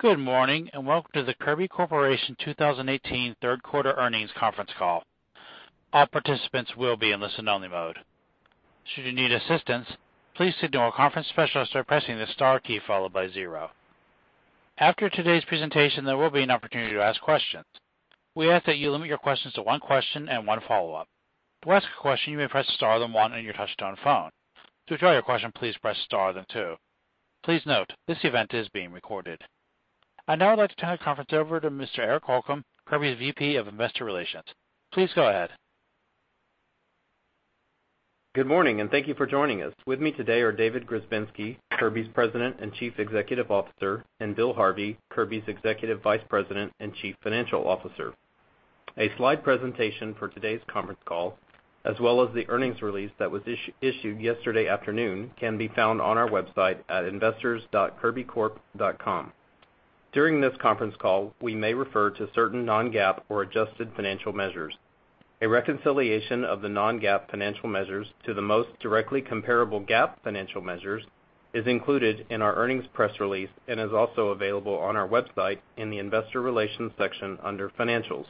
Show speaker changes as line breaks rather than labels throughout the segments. Good morning, and welcome to the Kirby Corporation 2018 Third Quarter Earnings Conference Call. All participants will be in listen-only mode. Should you need assistance, please signal a conference specialist by pressing the star key followed by zero. After today's presentation, there will be an opportunity to ask questions. We ask that you limit your questions to one question and one follow-up. To ask a question, you may press Star then one on your touchtone phone. To withdraw your question, please press Star, then two. Please note, this event is being recorded. I'd now like to turn the conference over to Mr. Eric Holcomb, Kirby's VP of Investor Relations. Please go ahead.
Good morning, and thank you for joining us. With me today are David Grzebinski, Kirby's President and Chief Executive Officer, and Bill Harvey, Kirby's Executive Vice President and Chief Financial Officer. A slide presentation for today's conference call, as well as the earnings release that was issued yesterday afternoon, can be found on our website at investors.kirbycorp.com. During this conference call, we may refer to certain non-GAAP or adjusted financial measures. A reconciliation of the non-GAAP financial measures to the most directly comparable GAAP financial measures is included in our earnings press release and is also available on our website in the Investor Relations section under Financials.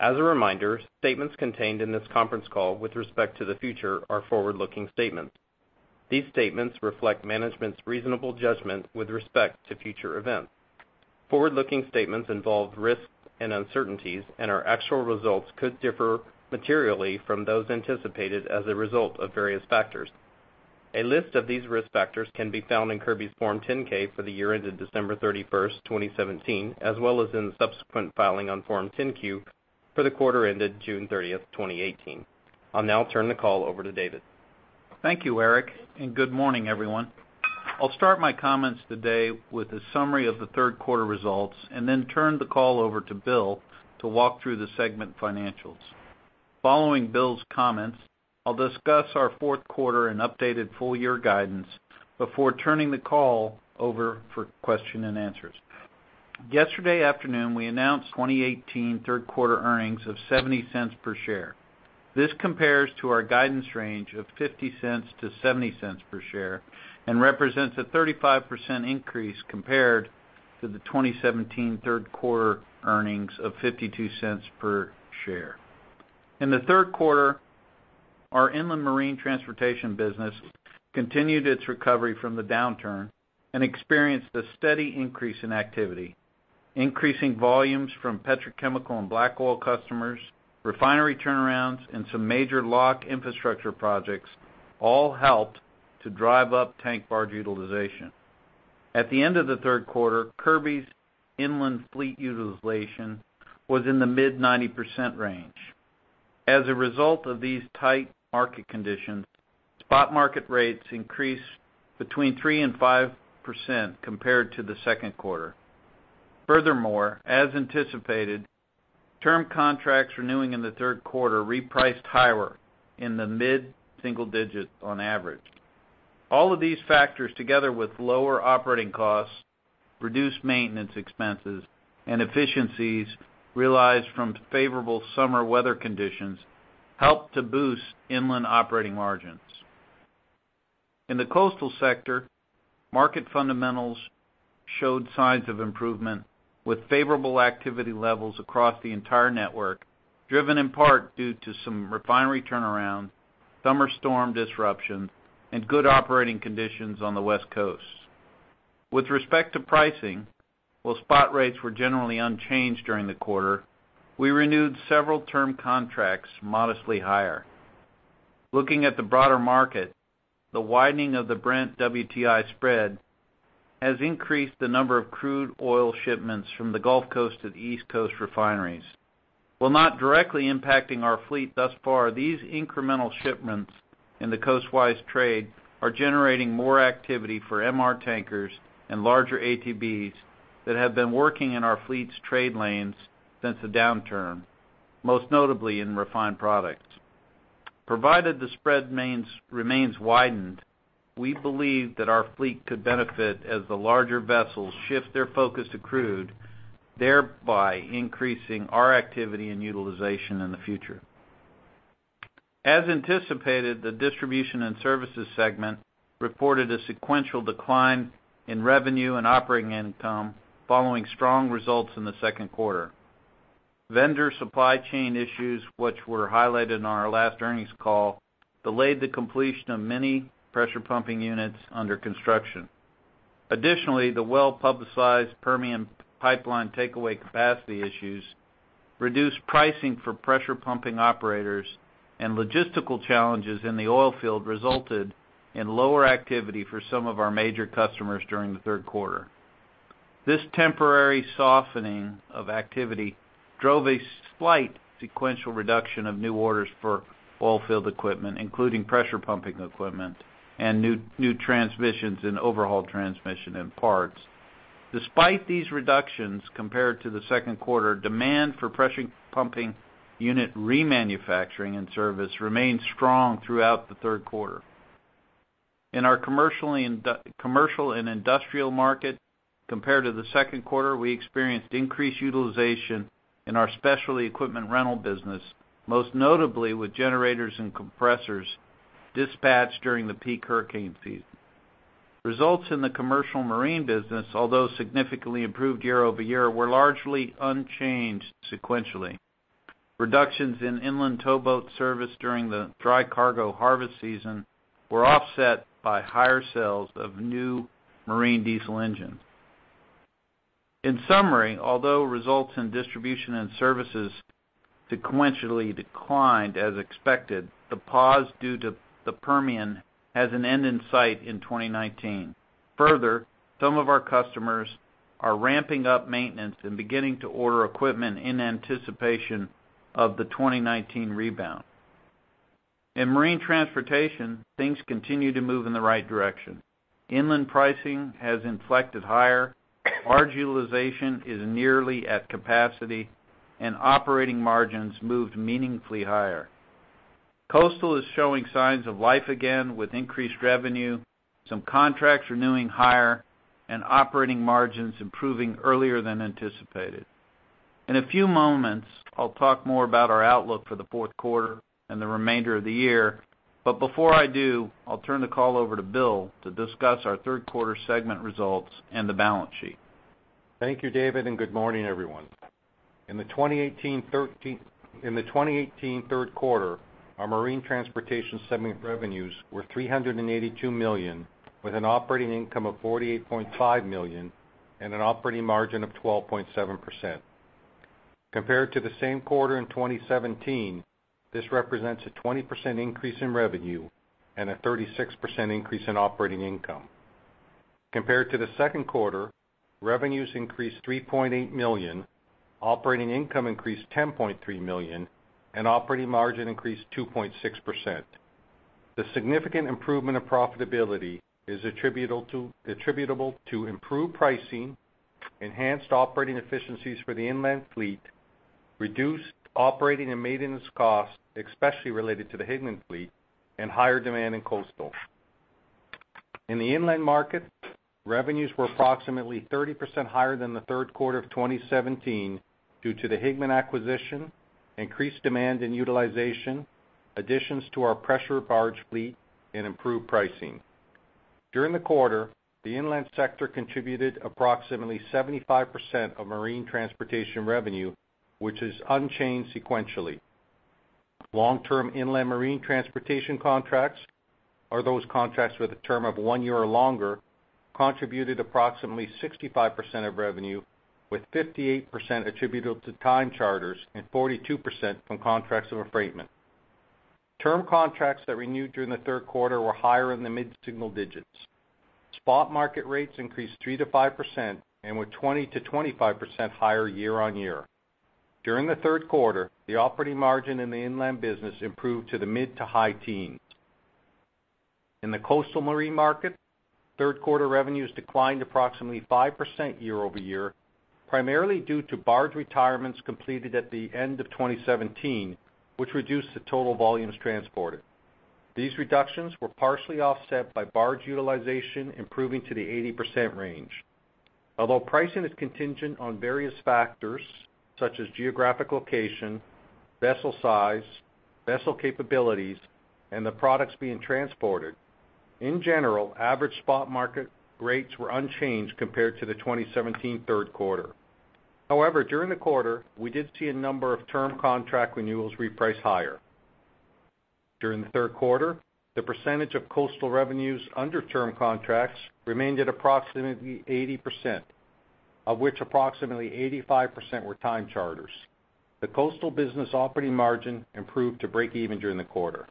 As a reminder, statements contained in this conference call with respect to the future are forward-looking statements. These statements reflect management's reasonable judgment with respect to future events. Forward-looking statements involve risks and uncertainties, and our actual results could differ materially from those anticipated as a result of various factors. A list of these risk factors can be found in Kirby's Form 10-K for the year ended December 31, 2017, as well as in the subsequent filing on Form 10-Q for the quarter ended June 30, 2018. I'll now turn the call over to David.
Thank you, Eric, and good morning, everyone. I'll start my comments today with a summary of the third quarter results, and then turn the call over to Bill to walk through the segment financials. Following Bill's comments, I'll discuss our fourth quarter and updated full year guidance before turning the call over for question and answers. Yesterday afternoon, we announced 2018 third quarter earnings of $0.70 per share. This compares to our guidance range of $0.50-$0.70 per share and represents a 35% increase compared to the 2017 third quarter earnings of $0.52 per share. In the third quarter, our inland marine transportation business continued its recovery from the downturn and experienced a steady increase in activity, increasing volumes from petrochemical and black oil customers, refinery turnarounds, and some major lock infrastructure projects all helped to drive up tank barge utilization. At the end of the third quarter, Kirby's inland fleet utilization was in the mid-90% range. As a result of these tight market conditions, spot market rates increased between 3% and 5% compared to the second quarter. Furthermore, as anticipated, term contracts renewing in the third quarter repriced higher in the mid-single-digit on average. All of these factors, together with lower operating costs, reduced maintenance expenses, and efficiencies realized from favorable summer weather conditions, helped to boost inland operating margins. In the coastal sector, market fundamentals showed signs of improvement, with favorable activity levels across the entire network, driven in part due to some refinery turnaround, summer storm disruption, and good operating conditions on the West Coast. With respect to pricing, while spot rates were generally unchanged during the quarter, we renewed several term contracts modestly higher. Looking at the broader market, the widening of the Brent-WTI spread has increased the number of crude oil shipments from the Gulf Coast to the East Coast refineries. While not directly impacting our fleet thus far, these incremental shipments in the coast-wise trade are generating more activity for MR tankers and larger ATBs that have been working in our fleet's trade lanes since the downturn, most notably in refined products. Provided the spread remains widened, we believe that our fleet could benefit as the larger vessels shift their focus to crude, thereby increasing our activity and utilization in the future. As anticipated, the distribution and services segment reported a sequential decline in revenue and operating income following strong results in the second quarter. Vendor supply chain issues, which were highlighted in our last earnings call, delayed the completion of many pressure pumping units under construction. Additionally, the well-publicized Permian pipeline takeaway capacity issues reduced pricing for pressure pumping operators, and logistical challenges in the oil field resulted in lower activity for some of our major customers during the third quarter. This temporary softening of activity drove a slight sequential reduction of new orders for oil field equipment, including pressure pumping equipment and new transmissions and overhaul transmission and parts. Despite these reductions, compared to the second quarter, demand for pressure pumping unit remanufacturing and service remained strong throughout the third quarter. In our commercial and industrial market, compared to the second quarter, we experienced increased utilization in our specialty equipment rental business, most notably with generators and compressors dispatched during the peak hurricane season. Results in the commercial marine business, although significantly improved year-over-year, were largely unchanged sequentially. Reductions in inland towboat service during the dry cargo harvest season were offset by higher sales of new marine diesel engines. In summary, although results in distribution and services sequentially declined as expected, the pause due to the Permian has an end in sight in 2019. Further, some of our customers are ramping up maintenance and beginning to order equipment in anticipation of the 2019 rebound. In marine transportation, things continue to move in the right direction. Inland pricing has inflected higher, barge utilization is nearly at capacity, and operating margins moved meaningfully higher. Coastal is showing signs of life again with increased revenue, some contracts renewing higher, and operating margins improving earlier than anticipated. In a few moments, I'll talk more about our outlook for the fourth quarter and the remainder of the year. Before I do, I'll turn the call over to Bill to discuss our third quarter segment results and the balance sheet.
Thank you, David, and good morning, everyone. In the 2018 third quarter, our marine transportation segment revenues were $382 million, with an operating income of $48.5 million and an operating margin of 12.7%. Compared to the same quarter in 2017, this represents a 20% increase in revenue and a 36% increase in operating income. Compared to the second quarter, revenues increased $3.8 million, operating income increased $10.3 million, and operating margin increased 2.6%. The significant improvement of profitability is attributable to improved pricing, enhanced operating efficiencies for the inland fleet, reduced operating and maintenance costs, especially related to the Higman fleet, and higher demand in coastal. In the inland market, revenues were approximately 30% higher than the third quarter of 2017 due to the Higman acquisition, increased demand and utilization, additions to our pressure barge fleet, and improved pricing. During the quarter, the inland sector contributed approximately 75% of marine transportation revenue, which is unchanged sequentially. Long-term inland marine transportation contracts, or those contracts with a term of one year or longer, contributed approximately 65% of revenue, with 58% attributable to time charters and 42% from contracts of affreightment. Term contracts that renewed during the third quarter were higher in the mid-single digits. Spot market rates increased 3%-5% and were 20%-25% higher year-on-year. During the third quarter, the operating margin in the inland business improved to the mid to high teens. In the coastal marine market, third quarter revenues declined approximately 5% year over year, primarily due to barge retirements completed at the end of 2017, which reduced the total volumes transported. These reductions were partially offset by barge utilization, improving to the 80% range. Although pricing is contingent on various factors such as geographic location, vessel size, vessel capabilities, and the products being transported, in general, average spot market rates were unchanged compared to the 2017 third quarter. However, during the quarter, we did see a number of term contract renewals reprice higher. During the third quarter, the percentage of coastal revenues under term contracts remained at approximately 80%, of which approximately 85% were time charters. The coastal business operating margin improved to breakeven during the quarter.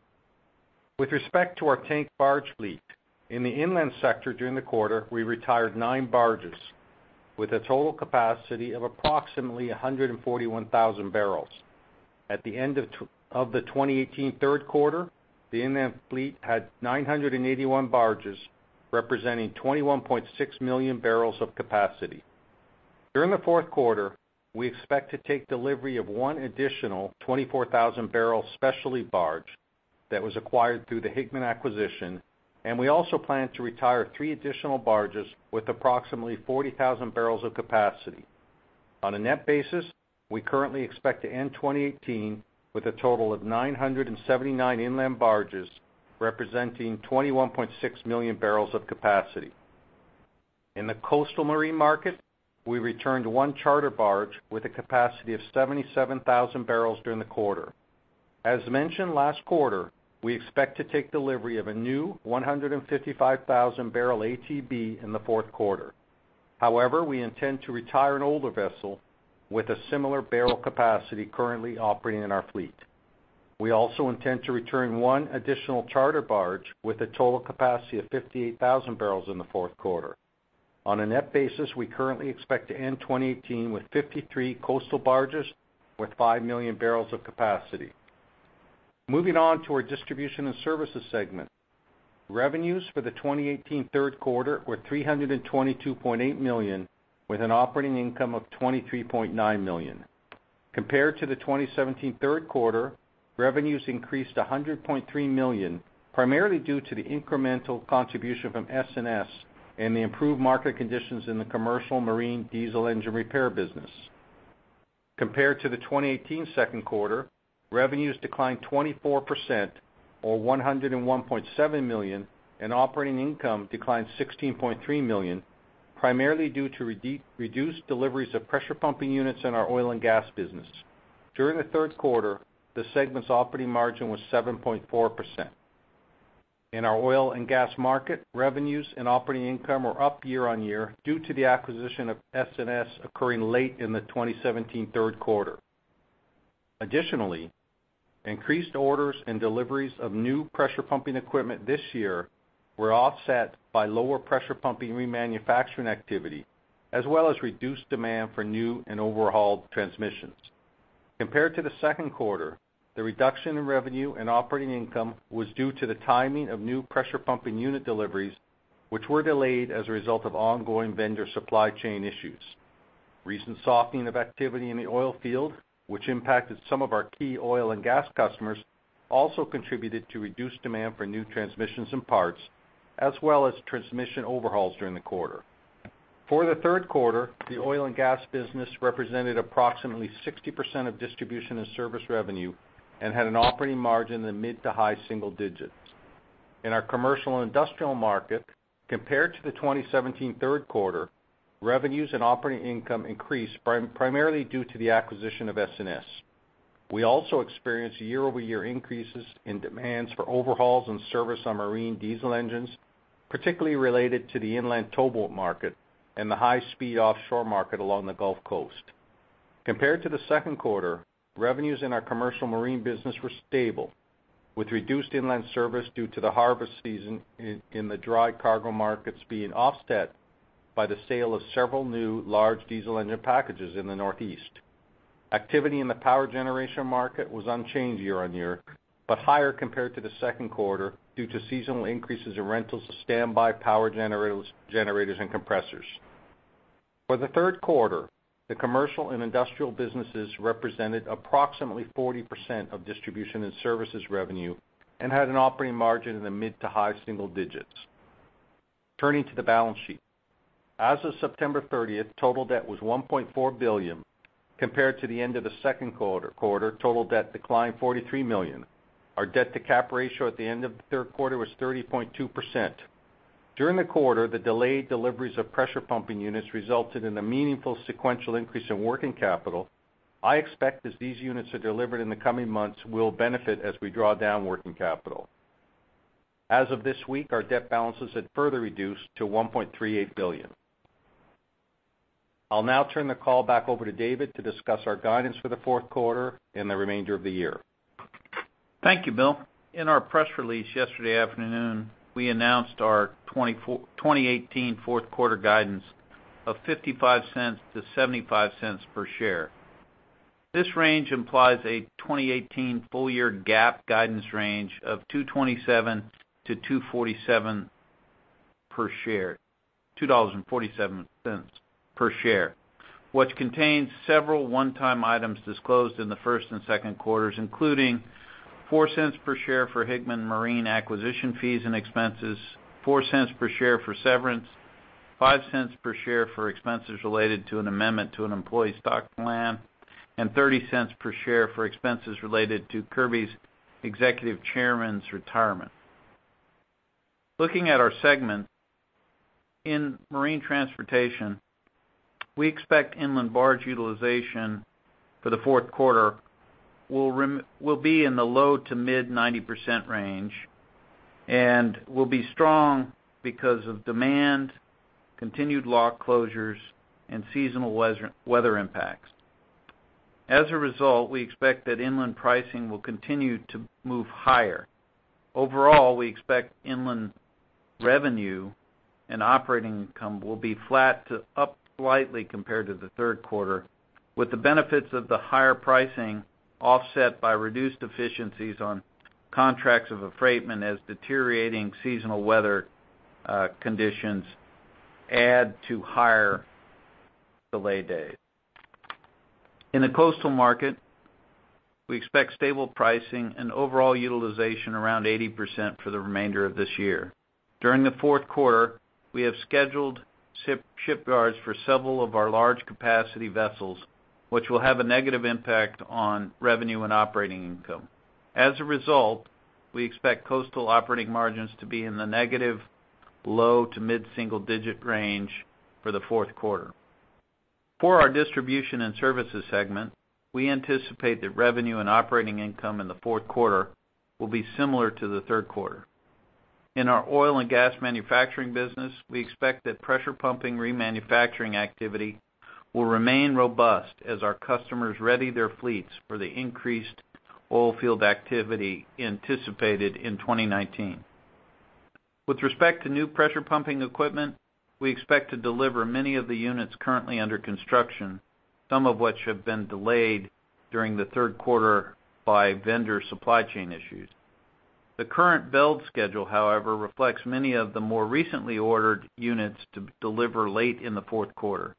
With respect to our tank barge fleet, in the inland sector during the quarter, we retired 9 barges with a total capacity of approximately 141,000 barrels. At the end of the 2018 third quarter, the inland fleet had 981 barges, representing 21.6 million barrels of capacity. During the fourth quarter, we expect to take delivery of one additional 24,000-barrel specialty barge that was acquired through the Higman acquisition, and we also plan to retire 3 additional barges with approximately 40,000 barrels of capacity. On a net basis, we currently expect to end 2018 with a total of 979 inland barges, representing 21.6 million barrels of capacity. In the coastal marine market, we returned one charter barge with a capacity of 77,000 barrels during the quarter. As mentioned last quarter, we expect to take delivery of a new 155,000-barrel ATB in the fourth quarter. However, we intend to retire an older vessel with a similar barrel capacity currently operating in our fleet. We also intend to return one additional charter barge with a total capacity of 58,000 barrels in the fourth quarter. On a net basis, we currently expect to end 2018 with 53 coastal barges with 5 million barrels of capacity. Moving on to our distribution and services segment. Revenues for the 2018 third quarter were $322.8 million, with an operating income of $23.9 million. Compared to the 2017 third quarter, revenues increased $100.3 million, primarily due to the incremental contribution from S&S and the improved market conditions in the commercial marine diesel engine repair business. Compared to the 2018 second quarter, revenues declined 24% or $101.7 million, and operating income declined $16.3 million, primarily due to reduced deliveries of pressure pumping units in our oil and gas business. During the third quarter, the segment's operating margin was 7.4%. In our oil and gas market, revenues and operating income were up year-on-year due to the acquisition of S&S occurring late in the 2017 third quarter. Additionally, increased orders and deliveries of new pressure pumping equipment this year were offset by lower pressure pumping remanufacturing activity, as well as reduced demand for new and overhauled transmissions. Compared to the second quarter, the reduction in revenue and operating income was due to the timing of new pressure pumping unit deliveries, which were delayed as a result of ongoing vendor supply chain issues. Recent softening of activity in the oil field, which impacted some of our key oil and gas customers, also contributed to reduced demand for new transmissions and parts, as well as transmission overhauls during the quarter. For the third quarter, the oil and gas business represented approximately 60% of distribution and service revenue and had an operating margin in the mid to high single digits. In our commercial and industrial market, compared to the 2017 third quarter, revenues and operating income increased primarily due to the acquisition of S&S. We also experienced year-over-year increases in demands for overhauls and service on marine diesel engines, particularly related to the inland towboat market and the high-speed offshore market along the Gulf Coast. Compared to the second quarter, revenues in our commercial marine business were stable, with reduced inland service due to the harvest season in the dry cargo markets being offset by the sale of several new large diesel engine packages in the Northeast. Activity in the power generation market was unchanged year-on-year, but higher compared to the second quarter due to seasonal increases in rentals of standby power generators and compressors. For the third quarter, the commercial and industrial businesses represented approximately 40% of distribution and services revenue and had an operating margin in the mid to high single digits. Turning to the balance sheet. As of September thirtieth, total debt was $1.4 billion. Compared to the end of the second quarter, total debt declined $43 million. Our debt-to-cap ratio at the end of the third quarter was 30.2%. During the quarter, the delayed deliveries of Pressure Pumping Units resulted in a meaningful sequential increase in working capital. I expect as these units are delivered in the coming months, we'll benefit as we draw down working capital. As of this week, our debt balances had further reduced to $1.38 billion. I'll now turn the call back over to David to discuss our guidance for the fourth quarter and the remainder of the year.
Thank you, Bill. In our press release yesterday afternoon, we announced our 2018 fourth quarter guidance of $0.55-$0.75 per share. This range implies a 2018 full year GAAP guidance range of $2.27-$2.47 per share, $2.47 per share, which contains several one-time items disclosed in the first and second quarters, including $0.04 per share for Higman Marine acquisition fees and expenses, $0.04 per share for severance, $0.05 per share for expenses related to an amendment to an employee stock plan, and $0.30 per share for expenses related to Kirby's Executive Chairman's retirement. Looking at our segments, in marine transportation, we expect inland barge utilization for the fourth quarter will be in the low- to mid-90% range and will be strong because of demand, continued lock closures, and seasonal weather, weather impacts. As a result, we expect that inland pricing will continue to move higher. Overall, we expect inland revenue and operating income will be flat to up slightly compared to the third quarter, with the benefits of the higher pricing offset by reduced efficiencies on contracts of affreightment as deteriorating seasonal weather conditions add to higher delay days. In the coastal market, we expect stable pricing and overall utilization around 80% for the remainder of this year. During the fourth quarter, we have scheduled shipyard for several of our large capacity vessels, which will have a negative impact on revenue and operating income. As a result, we expect coastal operating margins to be in the negative low to mid-single digit range for the fourth quarter. For our distribution and services segment, we anticipate that revenue and operating income in the fourth quarter will be similar to the third quarter. In our oil and gas manufacturing business, we expect that pressure pumping remanufacturing activity will remain robust as our customers ready their fleets for the increased oil field activity anticipated in 2019. With respect to new pressure pumping equipment, we expect to deliver many of the units currently under construction, some of which have been delayed during the third quarter by vendor supply chain issues. The current build schedule, however, reflects many of the more recently ordered units to deliver late in the fourth quarter.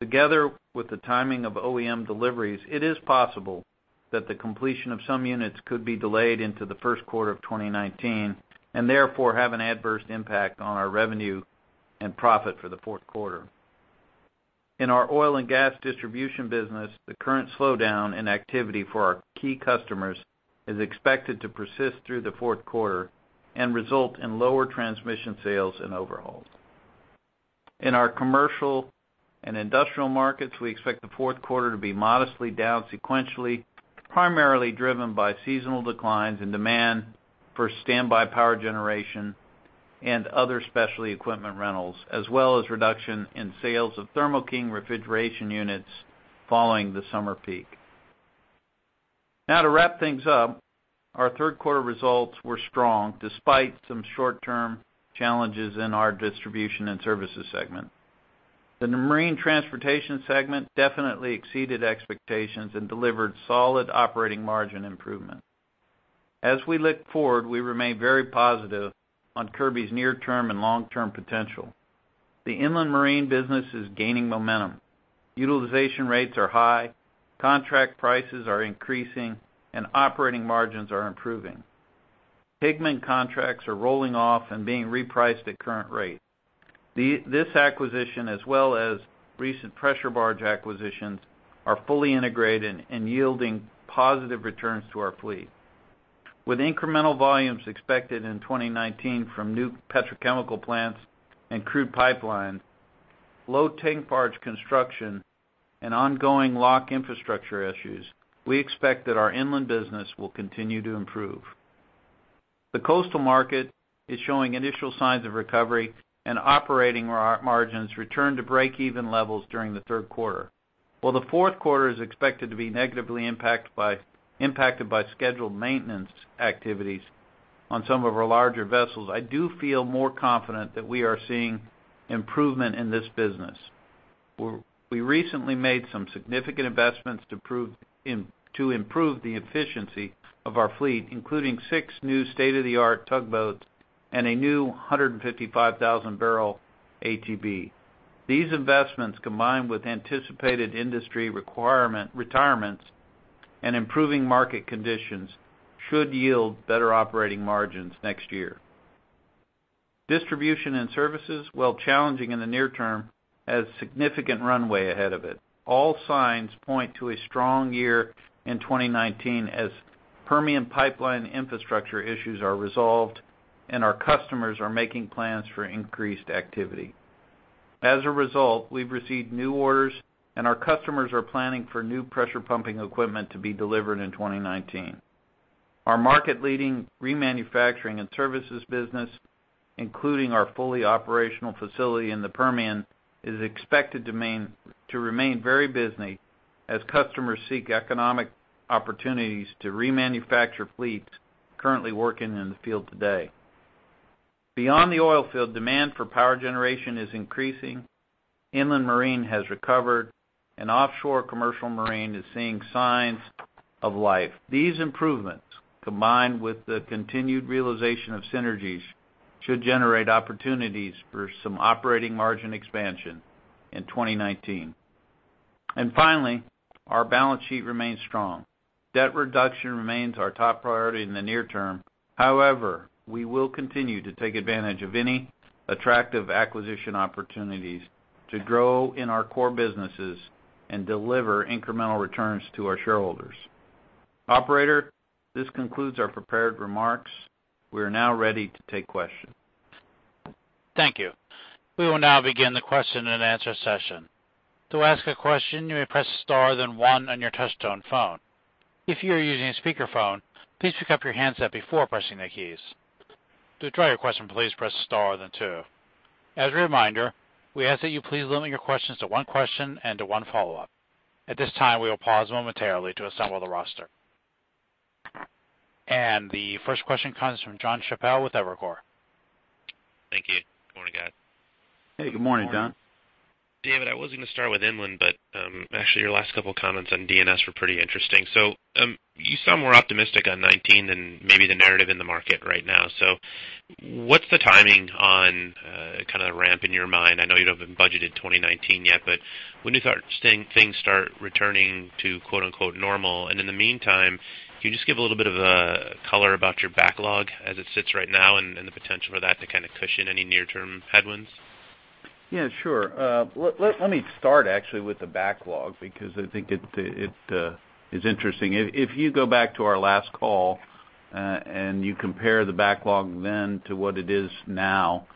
Together, with the timing of OEM deliveries, it is possible that the completion of some units could be delayed into the first quarter of 2019, and therefore, have an adverse impact on our revenue and profit for the fourth quarter. In our oil and gas distribution business, the current slowdown in activity for our key customers is expected to persist through the fourth quarter and result in lower transmission sales and overhauls. In our commercial and industrial markets, we expect the fourth quarter to be modestly down sequentially, primarily driven by seasonal declines in demand for standby power generation and other specialty equipment rentals, as well as reduction in sales of Thermo King refrigeration units following the summer peak. Now, to wrap things up, our third quarter results were strong despite some short-term challenges in our distribution and services segment. The marine transportation segment definitely exceeded expectations and delivered solid operating margin improvement. As we look forward, we remain very positive on Kirby's near-term and long-term potential. The inland marine business is gaining momentum. Utilization rates are high, contract prices are increasing, and operating margins are improving. Higman contracts are rolling off and being repriced at current rates. This acquisition, as well as recent pressure barge acquisitions, are fully integrated and yielding positive returns to our fleet. With incremental volumes expected in 2019 from new petrochemical plants and crude pipeline, low tank barge construction, and ongoing lock infrastructure issues, we expect that our inland business will continue to improve. The coastal market is showing initial signs of recovery, and operating margins returned to breakeven levels during the third quarter. While the fourth quarter is expected to be negatively impacted by scheduled maintenance activities on some of our larger vessels, I do feel more confident that we are seeing improvement in this business. We recently made some significant investments to improve the efficiency of our fleet, including six new state-of-the-art tugboats and a new 155,000-barrel ATB. These investments, combined with anticipated industry retirements and improving market conditions, should yield better operating margins next year. Distribution and Services, while challenging in the near term, has significant runway ahead of it. All signs point to a strong year in 2019 as Permian pipeline infrastructure issues are resolved and our customers are making plans for increased activity. As a result, we've received new orders, and our customers are planning for new pressure pumping equipment to be delivered in 2019. Our market-leading remanufacturing and services business, including our fully operational facility in the Permian, is expected to remain very busy as customers seek economic opportunities to remanufacture fleets currently working in the field today. Beyond the oil field, demand for power generation is increasing, inland marine has recovered, and offshore commercial marine is seeing signs of life. These improvements, combined with the continued realization of synergies, should generate opportunities for some operating margin expansion in 2019. Finally, our balance sheet remains strong. Debt reduction remains our top priority in the near term. However, we will continue to take advantage of any attractive acquisition opportunities to grow in our core businesses and deliver incremental returns to our shareholders. Operator, this concludes our prepared remarks. We are now ready to take questions.
Thank you. We will now begin the question and answer session. To ask a question, you may press star, then one on your touchtone phone. If you are using a speakerphone, please pick up your handset before pressing the keys. To withdraw your question, please press star, then two. As a reminder, we ask that you please limit your questions to one question and to one follow-up. At this time, we will pause momentarily to assemble the roster. The first question comes from John Chappell with Evercore.
Thank you. Good morning, guys.
Hey, good morning, John.
David, I was going to start with inland, but actually, your last couple of comments on D&S were pretty interesting. So you sound more optimistic on 2019 than maybe the narrative in the market right now. So what's the timing on kind of ramp in your mind? I know you haven't budgeted 2019 yet, but when do you thought things start returning to "normal"? And in the meantime, can you just give a little bit of color about your backlog as it sits right now and, and the potential for that to kind of cushion any near-term headwinds?
Yeah, sure. Let me start actually with the backlog because I think it is interesting. If you go back to our last call and you compare the backlog then to what it is now,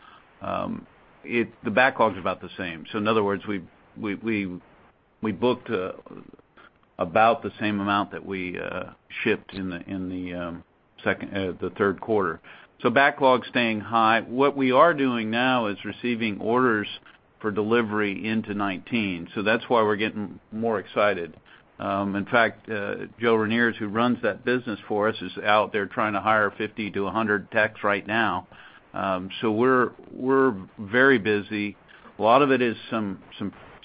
it, the backlog is about the same. So in other words, we booked about the same amount that we shipped in the third quarter. So backlog is staying high. What we are doing now is receiving orders for delivery into 2019, so that's why we're getting more excited. In fact, Joe Reniers, who runs that business for us, is out there trying to hire 50 to 100 techs right now. So we're very busy. A lot of it is some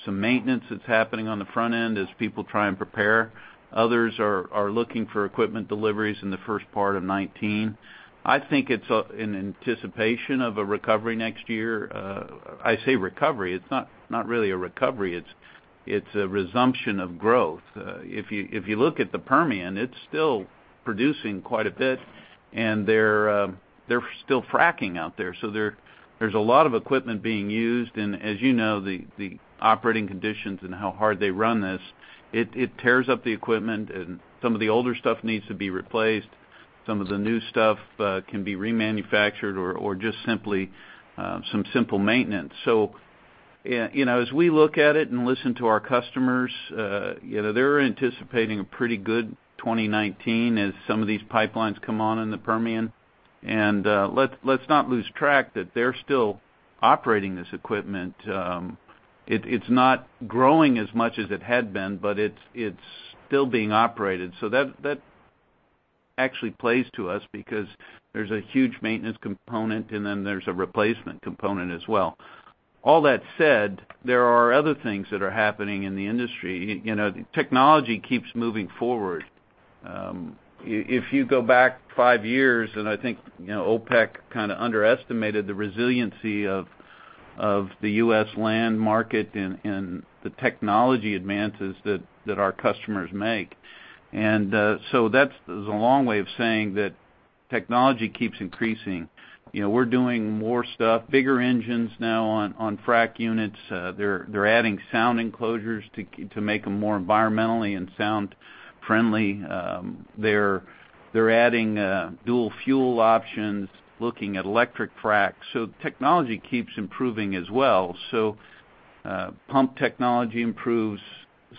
maintenance that's happening on the front end as people try and prepare. Others are looking for equipment deliveries in the first part of 2019. I think it's in anticipation of a recovery next year. I say recovery, it's not really a recovery, it's a resumption of growth. If you look at the Permian, it's still producing quite a bit, and they're still fracking out there, so there's a lot of equipment being used. And as you know, the operating conditions and how hard they run this, it tears up the equipment, and some of the older stuff needs to be replaced. Some of the new stuff can be remanufactured or just simply some simple maintenance. So, yeah, you know, as we look at it and listen to our customers, you know, they're anticipating a pretty good 2019 as some of these pipelines come on in the Permian. And, let's not lose track that they're still operating this equipment. It's not growing as much as it had been, but it's still being operated. So that actually plays to us because there's a huge maintenance component, and then there's a replacement component as well. All that said, there are other things that are happening in the industry. You know, technology keeps moving forward. If you go back 5 years, and I think, you know, OPEC kind of underestimated the resiliency of the U.S. land market and the technology advances that our customers make. So that's a long way of saying that technology keeps increasing. You know, we're doing more stuff, bigger engines now on frack units. They're adding sound enclosures to make them more environmentally and sound friendly. They're adding dual fuel options, looking at electric fracks. So technology keeps improving as well. So pump technology improves.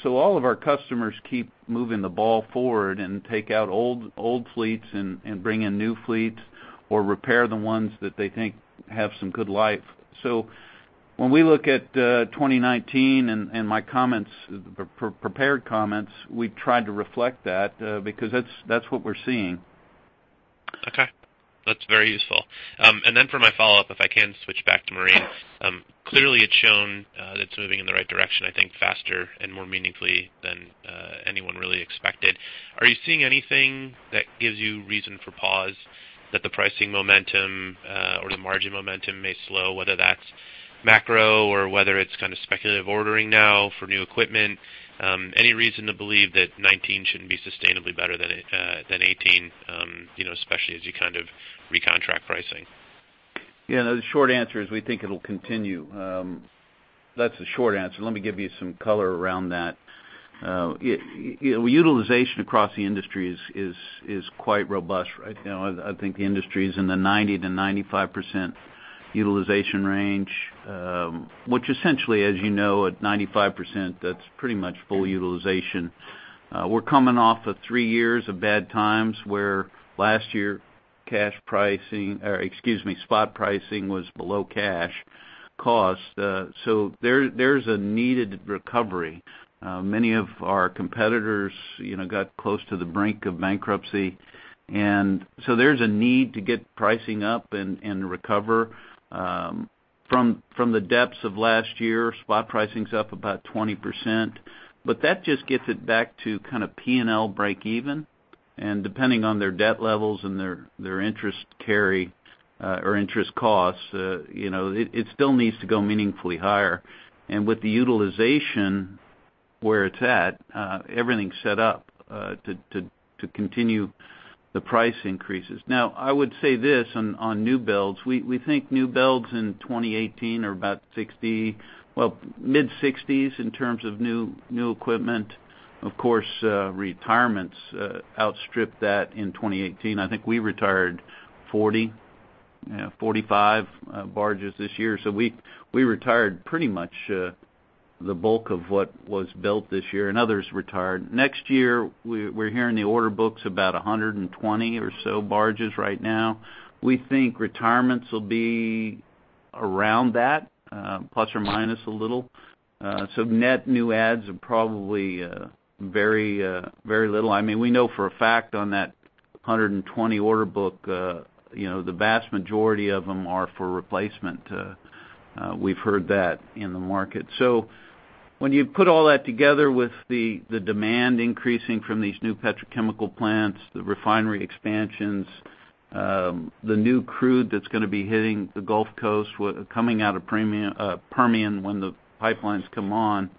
So all of our customers keep moving the ball forward and take out old fleets and bring in new fleets or repair the ones that they think have some good life. So when we look at 2019 and my comments, prepared comments, we've tried to reflect that because that's what we're seeing.
Okay, that's very useful. And then for my follow-up, if I can switch back to marine. Clearly, it's shown that it's moving in the right direction, I think, faster and more meaningfully than anyone really expected. Are you seeing anything that gives you reason for pause that the pricing momentum or the margin momentum may slow, whether that's macro or whether it's kind of speculative ordering now for new equipment? Any reason to believe that 2019 shouldn't be sustainably better than 2018, you know, especially as you kind of recontract pricing?
Yeah, the short answer is we think it'll continue. That's the short answer. Let me give you some color around that. Utilization across the industry is quite robust, right? You know, I think the industry is in the 90%-95% utilization range, which essentially, as you know, at 95%, that's pretty much full utilization. We're coming off of three years of bad times, where last year, cash pricing, or excuse me, spot pricing was below cash cost. So there's a needed recovery. Many of our competitors, you know, got close to the brink of bankruptcy. And so there's a need to get pricing up and recover. From the depths of last year, spot pricing's up about 20%, but that just gets it back to kind of P&L breakeven. Depending on their debt levels and their interest carry or interest costs, you know, it still needs to go meaningfully higher. With the utilization where it's at, everything's set up to continue the price increases. Now, I would say this on new builds: We think new builds in 2018 are about 60, well, mid-60s in terms of new equipment. Of course, retirements outstripped that in 2018. I think we retired 40-45 barges this year, so we retired pretty much the bulk of what was built this year, and others retired. Next year, we're hearing the order book's about 120 or so barges right now. We think retirements will be around that, ± a little. So net new adds are probably very little. I mean, we know for a fact on that 120 order book, you know, the vast majority of them are for replacement. We've heard that in the market. So when you put all that together with the demand increasing from these new petrochemical plants, the refinery expansions, the new crude that's gonna be hitting the Gulf Coast coming out of Permian when the pipelines come on,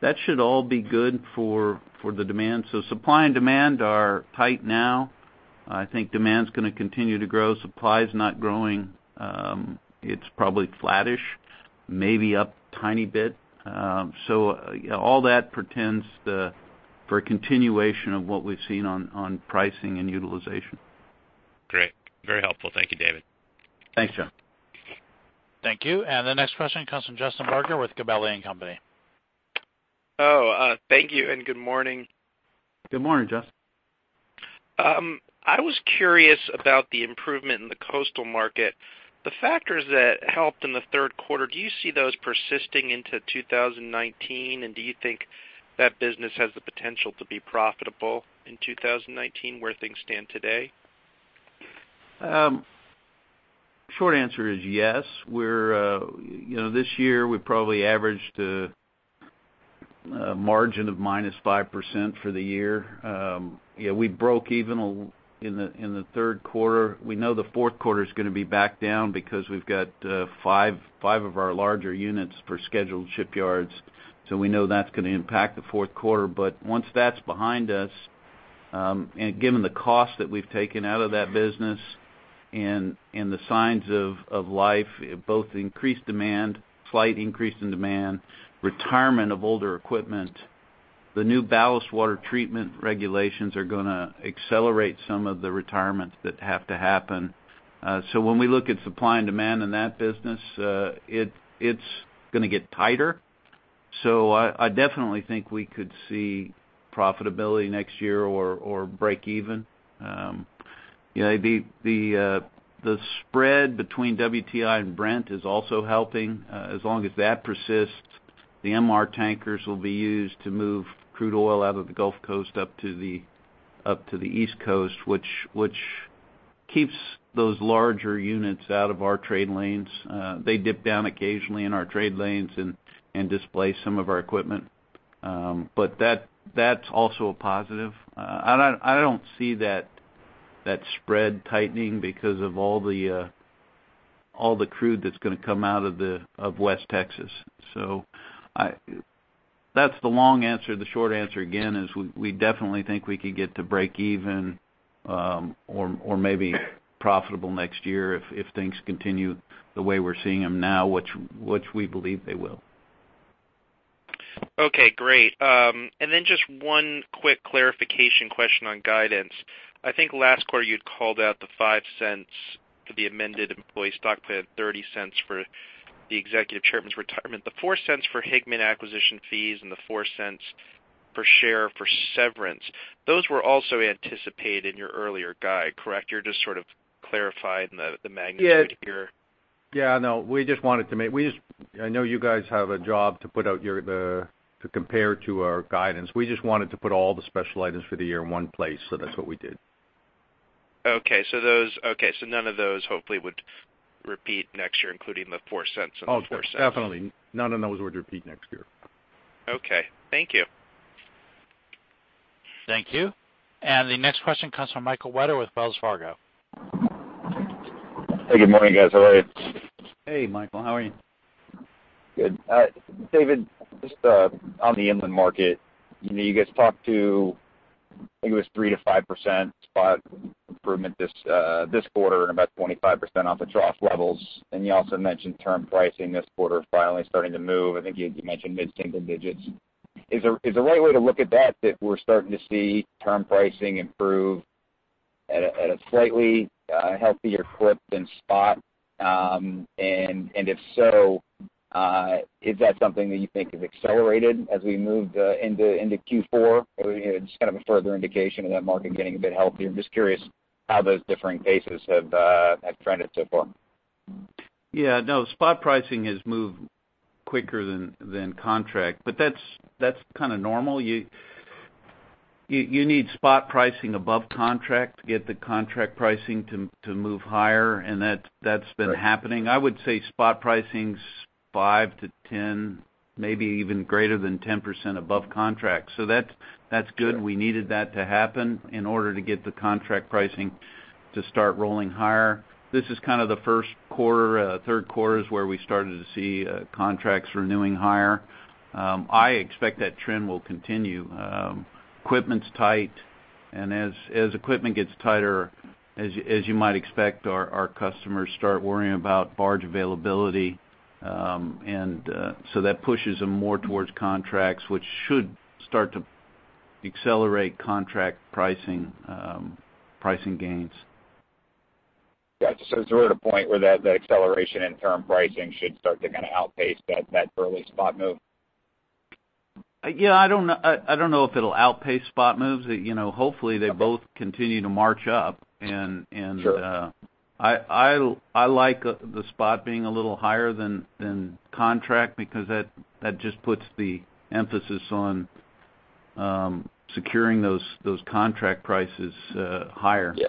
that should all be good for the demand. So supply and demand are tight now. I think demand's gonna continue to grow. Supply is not growing. It's probably flattish, maybe up a tiny bit. So, yeah, all that portends for a continuation of what we've seen on pricing and utilization.
Great. Very helpful. Thank you, David.
Thanks, John.
Thank you. And the next question comes from Justin Barker with Gabelli & Company.
Oh, thank you, and good morning.
Good morning, Justin.
I was curious about the improvement in the coastal market. The factors that helped in the third quarter, do you see those persisting into 2019? Do you think that business has the potential to be profitable in 2019, where things stand today?
Short answer is yes. We're, you know, this year, we probably averaged a margin of minus 5% for the year. Yeah, we broke even in the third quarter. We know the fourth quarter is gonna be back down because we've got five of our larger units for scheduled shipyards, so we know that's gonna impact the fourth quarter. But once that's behind us... and given the cost that we've taken out of that business and the signs of life, both increased demand, slight increase in demand, retirement of older equipment, the new ballast water treatment regulations are gonna accelerate some of the retirements that have to happen. So when we look at supply and demand in that business, it's gonna get tighter. So I definitely think we could see profitability next year or break even. You know, the spread between WTI and Brent is also helping. As long as that persists, the MR tankers will be used to move crude oil out of the Gulf Coast up to the East Coast, which keeps those larger units out of our trade lanes. They dip down occasionally in our trade lanes and displace some of our equipment. But that's also a positive. I don't see that spread tightening because of all the crude that's gonna come out of West Texas. So I... That's the long answer. The short answer, again, is we definitely think we could get to breakeven, or maybe profitable next year if things continue the way we're seeing them now, which we believe they will.
Okay, great. And then just one quick clarification question on guidance. I think last quarter, you'd called out the $0.05 for the amended employee stock plan, $0.30 for the executive chairman's retirement, the $0.04 for Higman acquisition fees, and the $0.04 per share for severance. Those were also anticipated in your earlier guide, correct? You're just sort of clarifying the magnitude here.
Yeah. Yeah, no, we just wanted to make, we just, I know you guys have a job to put out your, the, to compare to our guidance. We just wanted to put all the special items for the year in one place, so that's what we did.
Okay, so none of those, hopefully, would repeat next year, including the $0.04 and the $0.04.
Oh, definitely, none of those would repeat next year.
Okay. Thank you.
Thank you. The next question comes from Michael Webber with Wells Fargo.
Hey, good morning, guys. How are you?
Hey, Michael. How are you?
Good. David, just on the inland market, you know, you guys talked to, I think it was 3%-5% spot improvement this quarter, and about 25% off of trough levels. You also mentioned term pricing this quarter finally starting to move. I think you mentioned mid-single digits. Is the right way to look at that, that we're starting to see term pricing improve at a slightly healthier clip than spot? And if so, is that something that you think is accelerated as we move into Q4? Or, you know, just kind of a further indication of that market getting a bit healthier. I'm just curious how those different paces have trended so far.
Yeah, no, spot pricing has moved quicker than contract, but that's kind of normal. You need spot pricing above contract to get the contract pricing to move higher, and that's been happening. I would say spot pricing's 5-10, maybe even greater than 10% above contract. So that's good. We needed that to happen in order to get the contract pricing to start rolling higher. This is kind of the first quarter, third quarter is where we started to see contracts renewing higher. I expect that trend will continue. Equipment's tight, and as equipment gets tighter, as you might expect, our customers start worrying about barge availability, and so that pushes them more towards contracts, which should start to accelerate contract pricing, pricing gains.
Gotcha. So is we're at a point where that, the acceleration in term pricing should start to kind of outpace that, that early spot move?
Yeah, I don't know. I don't know if it'll outpace spot moves. You know, hopefully, they both continue to march up.
Sure.
I like the spot being a little higher than contract because that just puts the emphasis on securing those contract prices higher.
Yeah.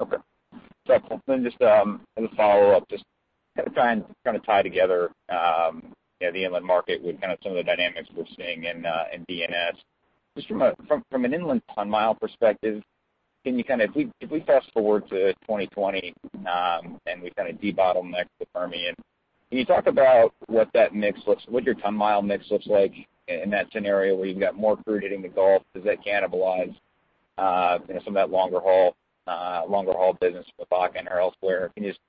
Okay. So then just, as a follow-up, just to try and kind of tie together, you know, the inland market with kind of some of the dynamics we're seeing in, in D&S. Just from an inland ton mile perspective, can you kind of, if we, if we fast-forward to 2020, and we kind of debottleneck the Permian, can you talk about what your ton mile mix looks like in that scenario, where you've got more crude hitting the Gulf? Does that cannibalize, you know, some of that longer haul business with Bakken or elsewhere? Can you just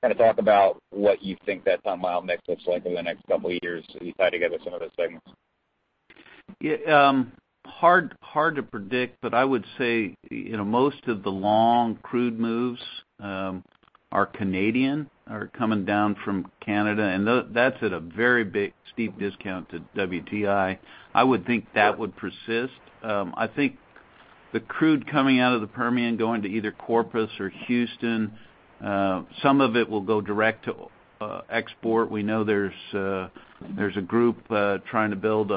kind of talk about what you think that ton mile mix looks like over the next couple of years as you tie together some of those segments?
Yeah, hard to predict, but I would say, you know, most of the long crude moves are Canadian, are coming down from Canada, and that's at a very big, steep discount to WTI. I would think that would persist. I think the crude coming out of the Permian, going to either Corpus or Houston, some of it will go direct to export. We know there's a group trying to build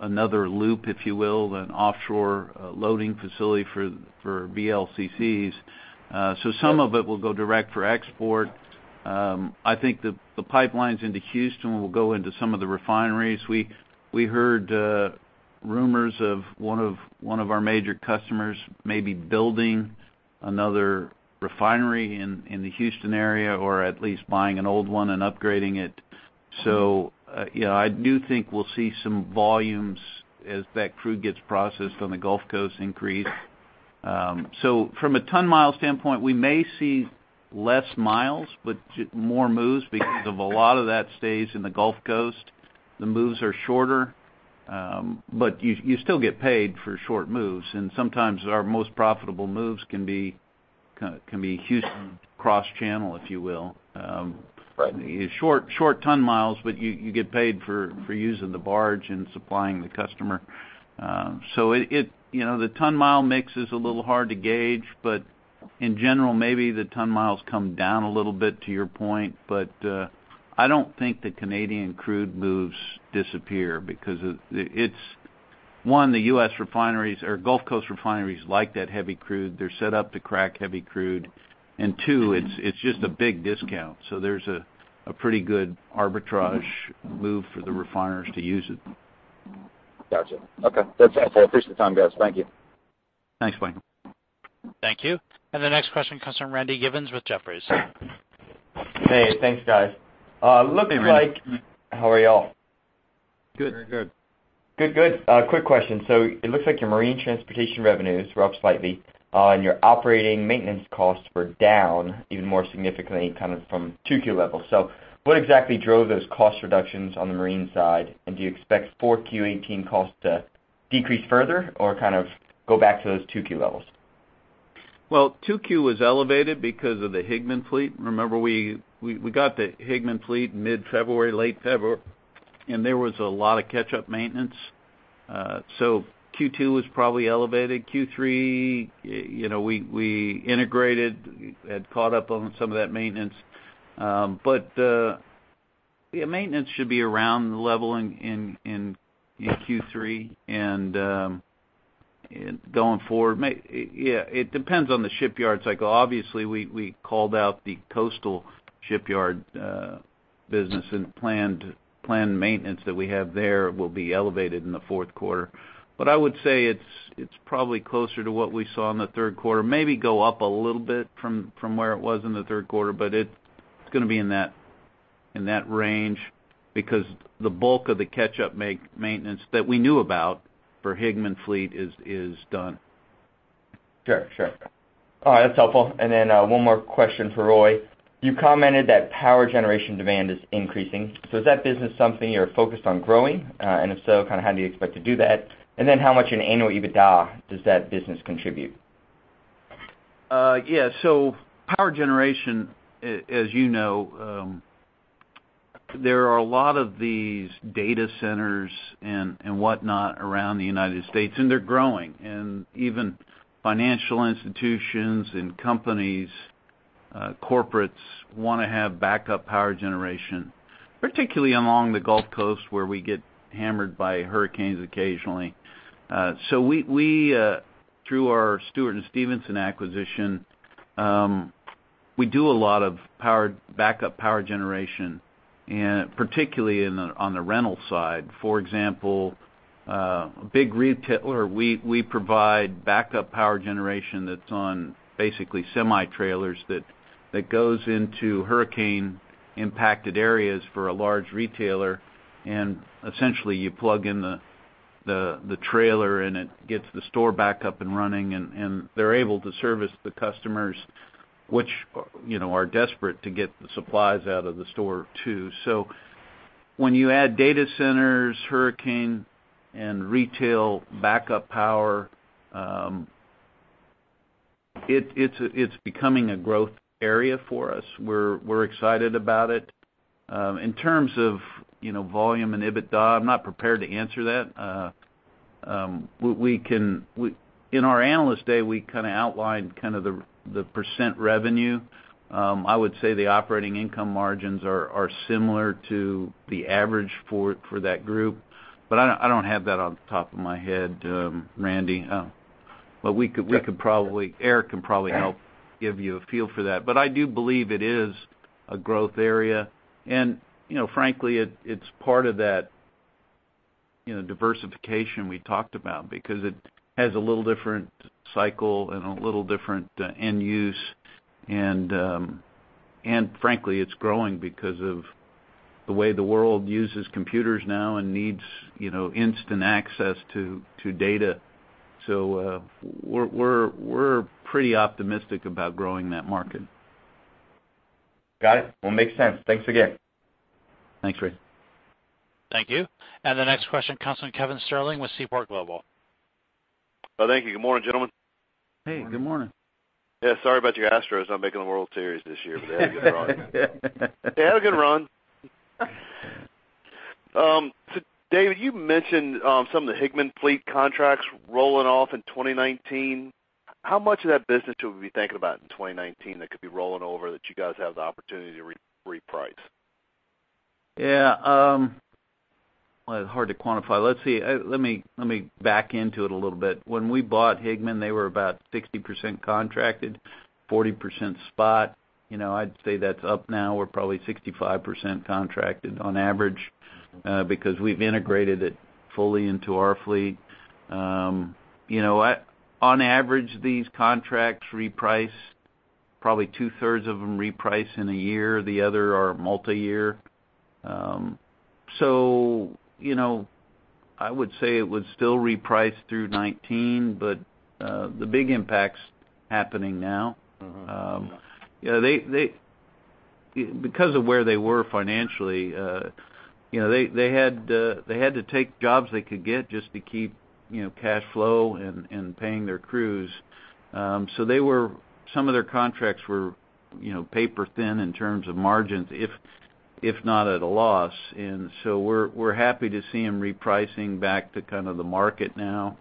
another loop, if you will, an offshore loading facility for VLCCs. So some of it will go direct for export. I think the pipelines into Houston will go into some of the refineries. We heard rumors of one of our major customers maybe building another refinery in the Houston area, or at least buying an old one and upgrading it. So, you know, I do think we'll see some volumes as that crude gets processed on the Gulf Coast increase. So from a ton mile standpoint, we may see less miles, but more moves because of a lot of that stays in the Gulf Coast. The moves are shorter, but you still get paid for short moves, and sometimes our most profitable moves can be, kind, can be Houston cross-channel, if you will. Short ton miles, but you get paid for using the barge and supplying the customer. So it -- you know, the ton-mile mix is a little hard to gauge, but in general, maybe the ton-miles come down a little bit to your point. But I don't think the Canadian crude moves disappear because it's one, the U.S. refineries or Gulf Coast refineries like that heavy crude; they're set up to crack heavy crude. And two, it's just a big discount, so there's a pretty good arbitrage move for the refiners to use it.
Gotcha. Okay. That's helpful. Appreciate the time, guys. Thank you.
Thanks, Michael.
Thank you. The next question comes from Randy Givens with Jefferies.
Hey, thanks, guys. Looks like-
Hey, Randy.
How are you all?
Good.
Very good.
Good, good. Quick question. So it looks like your marine transportation revenues were up slightly, and your operating maintenance costs were down even more significantly, kind of from 2Q levels. So what exactly drove those cost reductions on the marine side? And do you expect 4Q 2018 costs to decrease further or kind of go back to those 2Q levels?
Well, 2Q was elevated because of the Higman fleet. Remember, we got the Higman fleet mid-February, late February, and there was a lot of catch-up maintenance. So Q2 was probably elevated. Q3, you know, we integrated, had caught up on some of that maintenance. But yeah, maintenance should be around the level in Q3. And going forward, yeah, it depends on the shipyard cycle. Obviously, we called out the coastal shipyard business and planned maintenance that we have there will be elevated in the fourth quarter. But I would say it's probably closer to what we saw in the third quarter, maybe go up a little bit from where it was in the third quarter. But it's gonna be in that range because the bulk of the catch-up maintenance that we knew about for Higman Fleet is done.
Sure, sure. All right, that's helpful. And then, one more question for David. You commented that power generation demand is increasing. So is that business something you're focused on growing? And if so, kind of, how do you expect to do that? And then how much in annual EBITDA does that business contribute?
Yeah, so power generation, as you know, there are a lot of these data centers and whatnot around the United States, and they're growing. And even financial institutions and companies, corporates want to have backup power generation, particularly along the Gulf Coast, where we get hammered by hurricanes occasionally. So we, through our Stewart & Stevenson acquisition, do a lot of backup power generation, and particularly on the rental side. For example, a big retailer, we provide backup power generation that's on basically semi-trailers that goes into hurricane-impacted areas for a large retailer, and essentially, you plug in the trailer, and it gets the store back up and running, and they're able to service the customers, which, you know, are desperate to get the supplies out of the store, too. So when you add data centers, hurricane, and retail backup power, it's becoming a growth area for us. We're excited about it. In terms of, you know, volume and EBITDA, I'm not prepared to answer that. We can in our Analyst Day, we kind of outlined kind of the percent revenue. I would say the operating income margins are similar to the average for that group, but I don't have that off the top of my head, Randy, but we could-
Sure.
We could probably... Eric can probably help give you a feel for that. But I do believe it is a growth area, and, you know, frankly, it, it's part of that, you know, diversification we talked about because it has a little different cycle and a little different end use. And, and frankly, it's growing because of the way the world uses computers now and needs, you know, instant access to data. So, we're pretty optimistic about growing that market.
Got it. Well, makes sense. Thanks again.
Thanks, Randy.
Thank you. The next question comes from Kevin Sterling with Seaport Global.
Thank you. Good morning, gentlemen.
Hey, good morning.
Morning.
Yeah, sorry about your Astros not making the World Series this year, but they had a good run. They had a good run. So David, you mentioned some of the Higman fleet contracts rolling off in 2019. How much of that business should we be thinking about in 2019 that could be rolling over, that you guys have the opportunity to re-reprice?
Yeah, well, it's hard to quantify. Let's see, let me back into it a little bit. When we bought Higman, they were about 60% contracted, 40% spot. You know, I'd say that's up now. We're probably 65% contracted on average, because we've integrated it fully into our fleet. You know, at, on average, these contracts reprice—probably 2/3 of them reprice in a year, the other are multi-year. So, you know, I would say it would still reprice through 2019, but, the big impact's happening now.
Mm-hmm.
Yeah, they, because of where they were financially, you know, they had to take jobs they could get just to keep, you know, cash flow and paying their crews. So they were, some of their contracts were, you know, paper thin in terms of margins, if not at a loss. And so we're happy to see them repricing back to kind of the market now.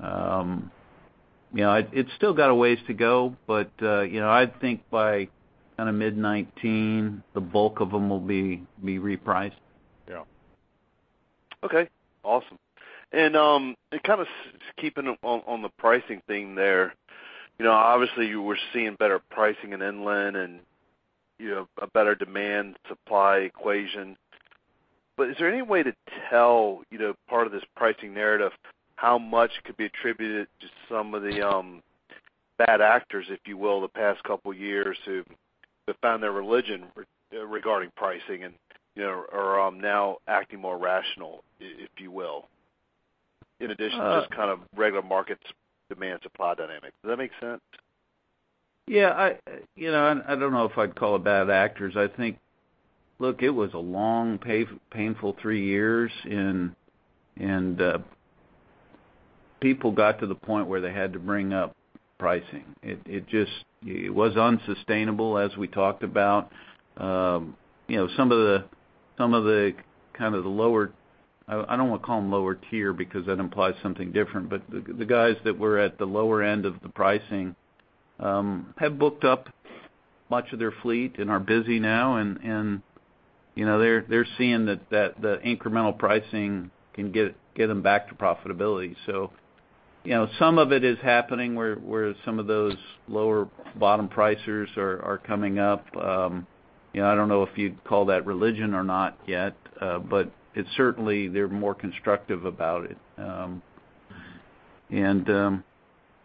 You know, it's still got a ways to go, but you know, I think by kind of mid-2019, the bulk of them will be repriced.
Yeah. Okay, awesome. And kind of just keeping on the pricing thing there, you know, obviously, you were seeing better pricing in inland and, you know, a better demand supply equation. But is there any way to tell, you know, part of this pricing narrative, how much could be attributed to some of the bad actors, if you will, the past couple of years, who have found their religion regarding pricing and, you know, are now acting more rational, if you will, in addition to just kind of regular markets, demand, supply, dynamic? Does that make sense?
Yeah, you know, and I don't know if I'd call it bad actors. I think, look, it was a long, painful three years, and, and, people got to the point where they had to bring up pricing. It just was unsustainable, as we talked about. You know, some of the, some of the, kind of the lower, I don't want to call them lower tier, because that implies something different. But the guys that were at the lower end of the pricing have booked up much of their fleet and are busy now. And, you know, they're seeing that the incremental pricing can get them back to profitability. So, you know, some of it is happening where some of those lower bottom pricers are coming up. You know, I don't know if you'd call that religion or not yet, but it's certainly they're more constructive about it.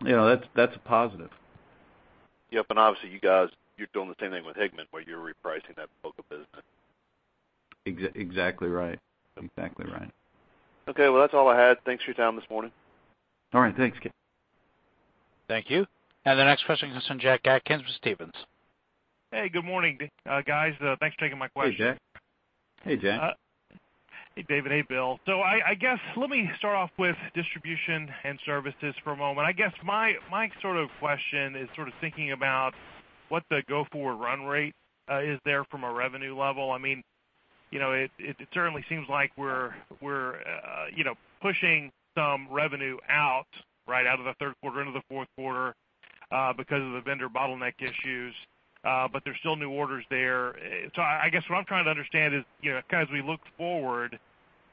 You know, that's a positive.
Yep, and obviously, you guys, you're doing the same thing with Higman, where you're repricing that book of business.
Exactly right. Exactly right.
Okay, well, that's all I had. Thanks for your time this morning.
All right. Thanks, Ken.
Thank you. The next question is from Jack Atkins with Stephens.
Hey, good morning, guys. Thanks for taking my question.
Hey, Jack.
Hey, Jack.
Hey, David. Hey, Bill. So I guess, let me start off with distribution and services for a moment. I guess my sort of question is sort of thinking about what the go-forward run rate is there from a revenue level? I mean, you know, it certainly seems like we're pushing some revenue out, right, out of the third quarter into the fourth quarter, because of the vendor bottleneck issues, but there's still new orders there. So I guess, what I'm trying to understand is, you know, kind of as we look forward,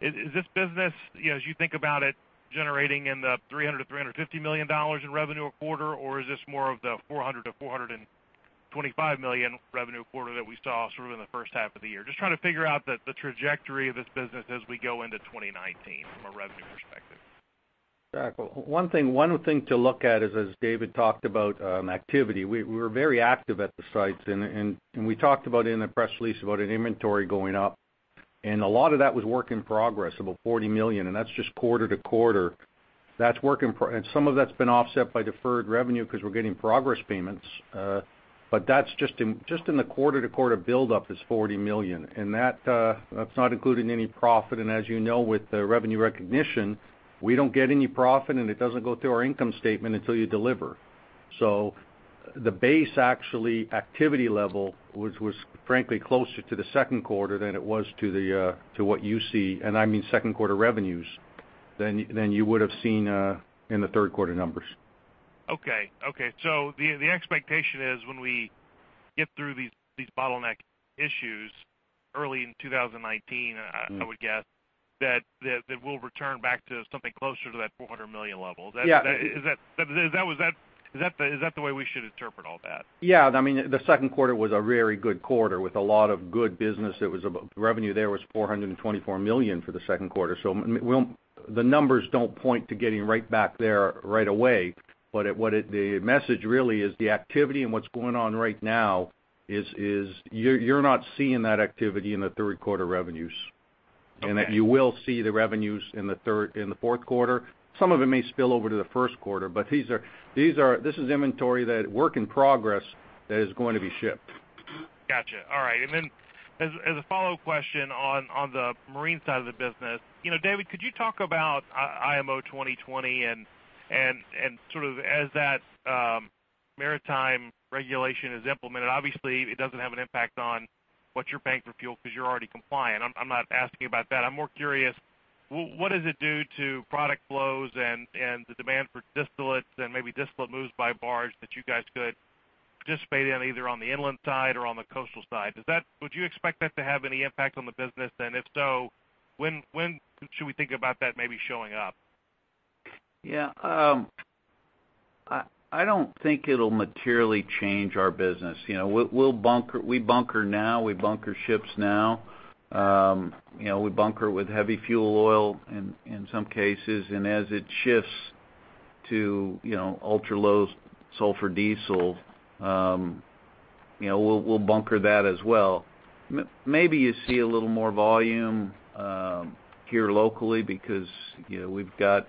is this business, you know, as you think about it, generating $300-$350 million in revenue a quarter, or is this more of the $400-$425 million revenue quarter that we saw sort of in the first half of the year? Just trying to figure out the trajectory of this business as we go into 2019 from a revenue perspective.
Jack, one thing, one thing to look at is, as David talked about, activity. We, we were very active at the sites, and we talked about in the press release about an inventory going up, and a lot of that was work in progress, about $40 million, and that's just quarter to quarter. That's work in progress and some of that's been offset by deferred revenue because we're getting progress payments, but that's just in the quarter to quarter buildup is $40 million, and that's not including any profit. And as you know, with the revenue recognition, we don't get any profit, and it doesn't go through our income statement until you deliver. So the base, actually, activity level, which was frankly closer to the second quarter than it was to the, to what you see, and I mean, second quarter revenues, than, than you would have seen, in the third quarter numbers.
Okay, so the expectation is when we get through these bottleneck issues early in 2019, I would guess, that we'll return back to something closer to that $400 million level.
Yeah.
Is that the way we should interpret all that?
Yeah, I mean, the second quarter was a very good quarter with a lot of good business. It was about, revenue there was $424 million for the second quarter, so we don't, the numbers don't point to getting right back there right away. But what it, the message really is the activity and what's going on right now is you're not seeing that activity in the third quarter revenues.
Okay.
that you will see the revenues in the third, in the fourth quarter. Some of it may spill over to the first quarter, but these are, these are, this is inventory, that work in progress that is going to be shipped.
Gotcha. All right. And then as a follow-up question on the marine side of the business, you know, David, could you talk about IMO 2020, and sort of as that maritime regulation is implemented, obviously, it doesn't have an impact on what you're paying for fuel because you're already compliant. I'm not asking about that. I'm more curious, what does it do to product flows and the demand for distillates and maybe distillate moves by barge that you guys could anticipate on, either on the inland side or on the coastal side? Would you expect that to have any impact on the business? And if so, when should we think about that maybe showing up?
Yeah, I don't think it'll materially change our business. You know, we'll bunker, we bunker now, we bunker ships now. You know, we bunker with heavy fuel oil in some cases, and as it shifts to, you know, ultra-low sulfur diesel, you know, we'll bunker that as well. Maybe you see a little more volume here locally because, you know, we've got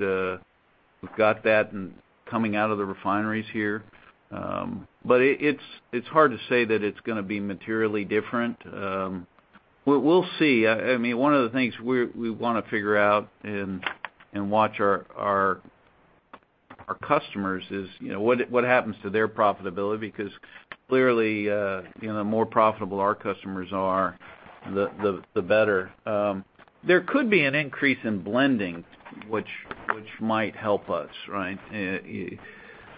that coming out of the refineries here. But it's hard to say that it's gonna be materially different. We'll see. I mean, one of the things we wanna figure out and watch our customers is, you know, what happens to their profitability? Because clearly, you know, the more profitable our customers are, the better. There could be an increase in blending, which might help us, right?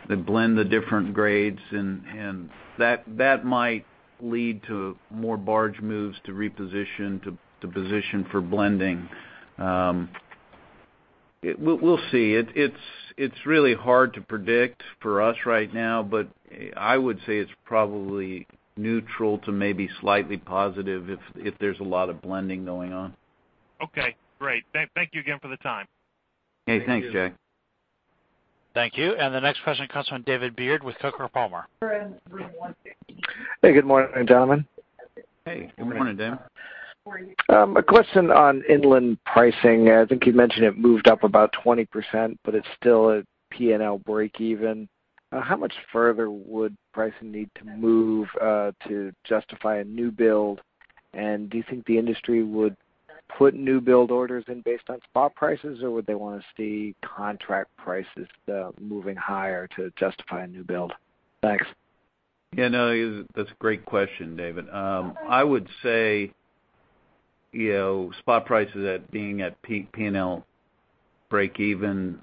They blend the different grades and that might lead to more barge moves to reposition, to position for blending. We'll see. It's really hard to predict for us right now, but I would say it's probably neutral to maybe slightly positive if there's a lot of blending going on.
Okay, great. Thank you again for the time.
Hey, thanks, Jack.
Thank you. The next question comes from David Beard with Coker & Palmer. Hey, good morning, gentlemen.
Hey, good morning, David.
Good morning.
A question on inland pricing. I think you mentioned it moved up about 20%, but it's still at P&L breakeven. How much further would pricing need to move to justify a new build? And do you think the industry would put new build orders in based on spot prices, or would they wanna see contract prices moving higher to justify a new build? Thanks.
Yeah, no, that's a great question, David. I would say, you know, spot prices being at peak P&L breakeven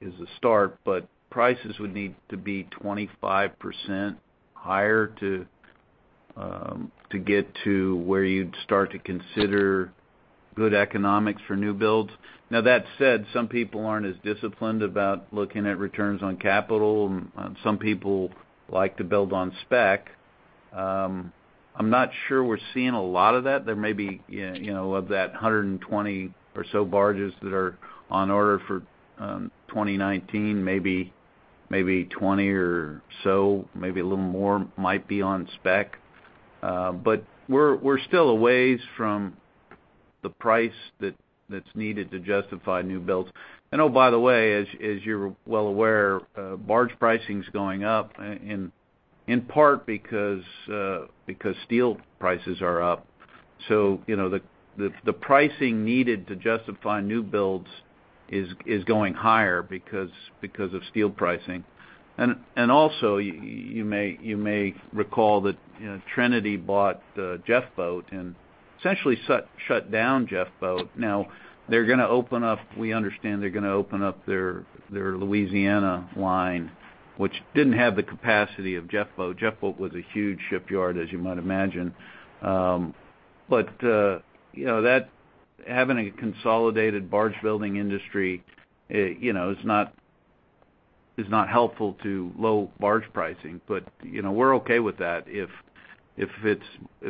is a start, but prices would need to be 25% higher to get to where you'd start to consider good economics for new builds. Now, that said, some people aren't as disciplined about looking at returns on capital, and some people like to build on spec. I'm not sure we're seeing a lot of that. There may be, you know, of that 120 or so barges that are on order for 2019, maybe 20 or so, maybe a little more, might be on spec. But we're still a ways from the price that's needed to justify new buds. And oh, by the way, as you're well aware, barge pricing's going up in part because steel prices are up. So, you know, the pricing needed to justify new builds is going higher because of steel pricing. And also, you may recall that, you know, Trinity bought Jeffboat and essentially shut down Jeffboat. Now, they're gonna open up. We understand they're gonna open up their Louisiana line, which didn't have the capacity of Jeffboat. Jeffboat was a huge shipyard, as you might imagine. But you know that having a consolidated barge-building industry you know is not helpful to low barge pricing. But you know, we're okay with that. If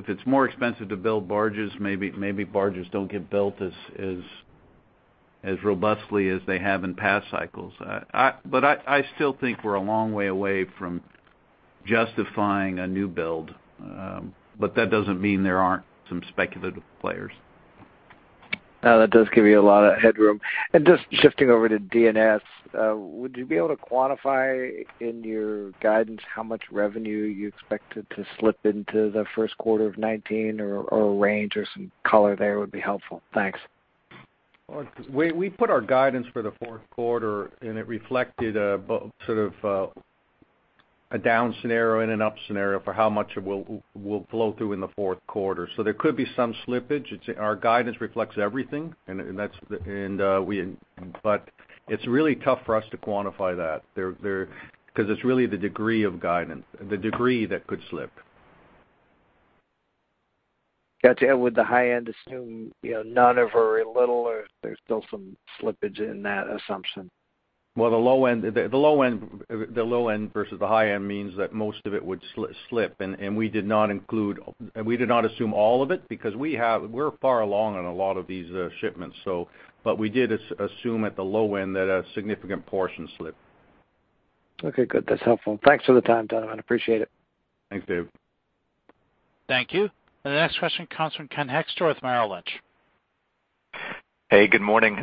it's more expensive to build barges, maybe barges don't get built as robustly as they have in past cycles. But I still think we're a long way away from justifying a new build, but that doesn't mean there aren't some speculative players.
That does give you a lot of headroom. And just shifting over to DNS, would you be able to quantify in your guidance how much revenue you expected to slip into the first quarter of 2019, or, or a range or some color there would be helpful? Thanks.
Well, we put our guidance for the fourth quarter, and it reflected a sort of a down scenario and an up scenario for how much it will flow through in the fourth quarter. So there could be some slippage. It's our guidance reflects everything, and that's, and we, but it's really tough for us to quantify that. There, because it's really the degree of guidance, the degree that could slip.
Gotcha. And would the high end assume, you know, none of or very little, or there's still some slippage in that assumption?
Well, the low end versus the high end means that most of it would slip, and we did not assume all of it, because we're far along on a lot of these shipments, so. But we did assume at the low end that a significant portion slip.
Okay, good. That's helpful. Thanks for the time, gentlemen. I appreciate it.
Thanks, Dave.
Thank you. The next question comes from Ken Hoexter with Bank of America Merrill Lynch.
Hey, good morning.